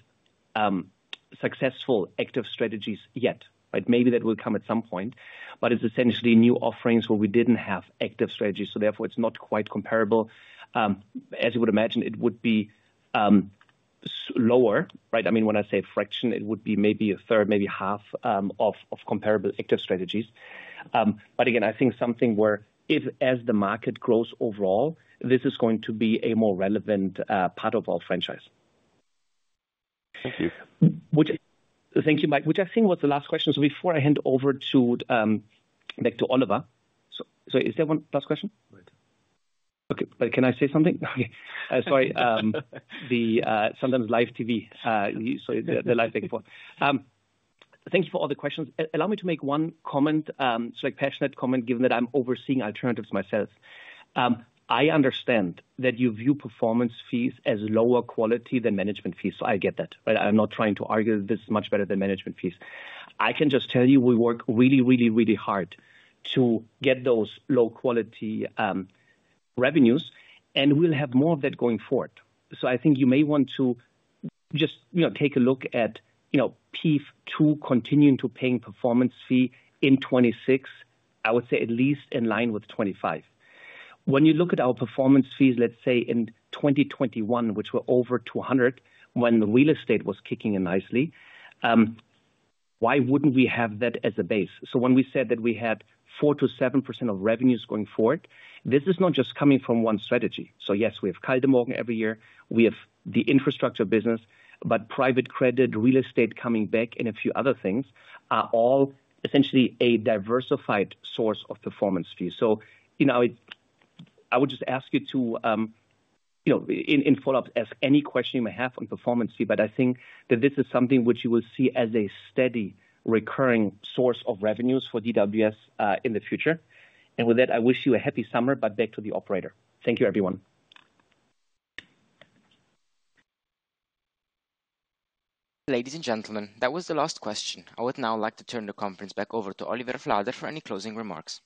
successful active strategies yet, right? Maybe that will come at some point, but it's essentially new offerings where we didn't have active strategies. Therefore, it's not quite comparable. As you would imagine, it would be lower, right? When I say a fraction, it would be maybe a third, maybe half of comparable active strategies. Again, I think something where if, as the market grows overall, this is going to be a more relevant part of our franchise. Thank you. Thank you, Mike, which I think was the last question. Before I hand back to Oliver, is there one last question? Right. Okay. Can I say something? Okay. Sorry. Sometimes live TV. Sorry, the live tech report. Thank you for all the questions. Allow me to make one comment, a passionate comment, given that I'm overseeing alternatives myself. I understand that you view performance fees as lower quality than management fees. I get that, right? I'm not trying to argue that this is much better than management fees. I can just tell you we work really, really, really hard to get those low-quality revenues, and we'll have more of that going forward. I think you may want to just take a look at. PEIF II continuing to paying performance fee in 2026, I would say at least in line with 2025. When you look at our performance fees, let's say in 2021, which were over 200 million when real estate was kicking in nicely. Why would not we have that as a base? When we said that we had 4% to 7% of revenues going forward, this is not just coming from one strategy. Yes, we have Kaldemorgen every year. We have the infrastructure business, but private credit, real estate coming back, and a few other things are all essentially a diversified source of performance fee. I would just ask you to, in follow-ups, ask any question you may have on performance fee, but I think that this is something which you will see as a steady recurring source of revenues for DWS in the future. With that, I wish you a happy summer, but back to the operator. Thank you, everyone. Ladies and gentlemen, that was the last question. I would now like to turn the conference back over to Oliver Flade for any closing remarks.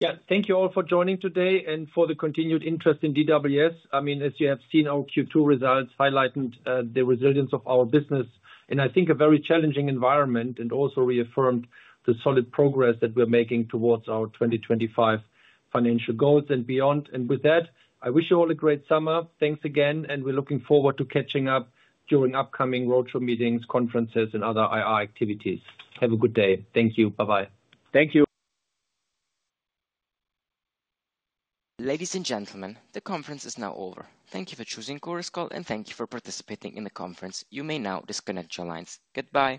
Yeah. Thank you all for joining today and for the continued interest in DWS. I mean, as you have seen our Q2 results highlighting the resilience of our business in, I think, a very challenging environment and also reaffirmed the solid progress that we are making towards our 2025 financial goals and beyond. With that, I wish you all a great summer. Thanks again, and we are looking forward to catching up during upcoming roadshow meetings, conferences, and other IR activities. Have a good day. Thank you. Bye-bye. Thank you. Ladies and gentlemen, the conference is now over. Thank you for choosing Korescall, and thank you for participating in the conference. You may now disconnect your lines. Goodbye.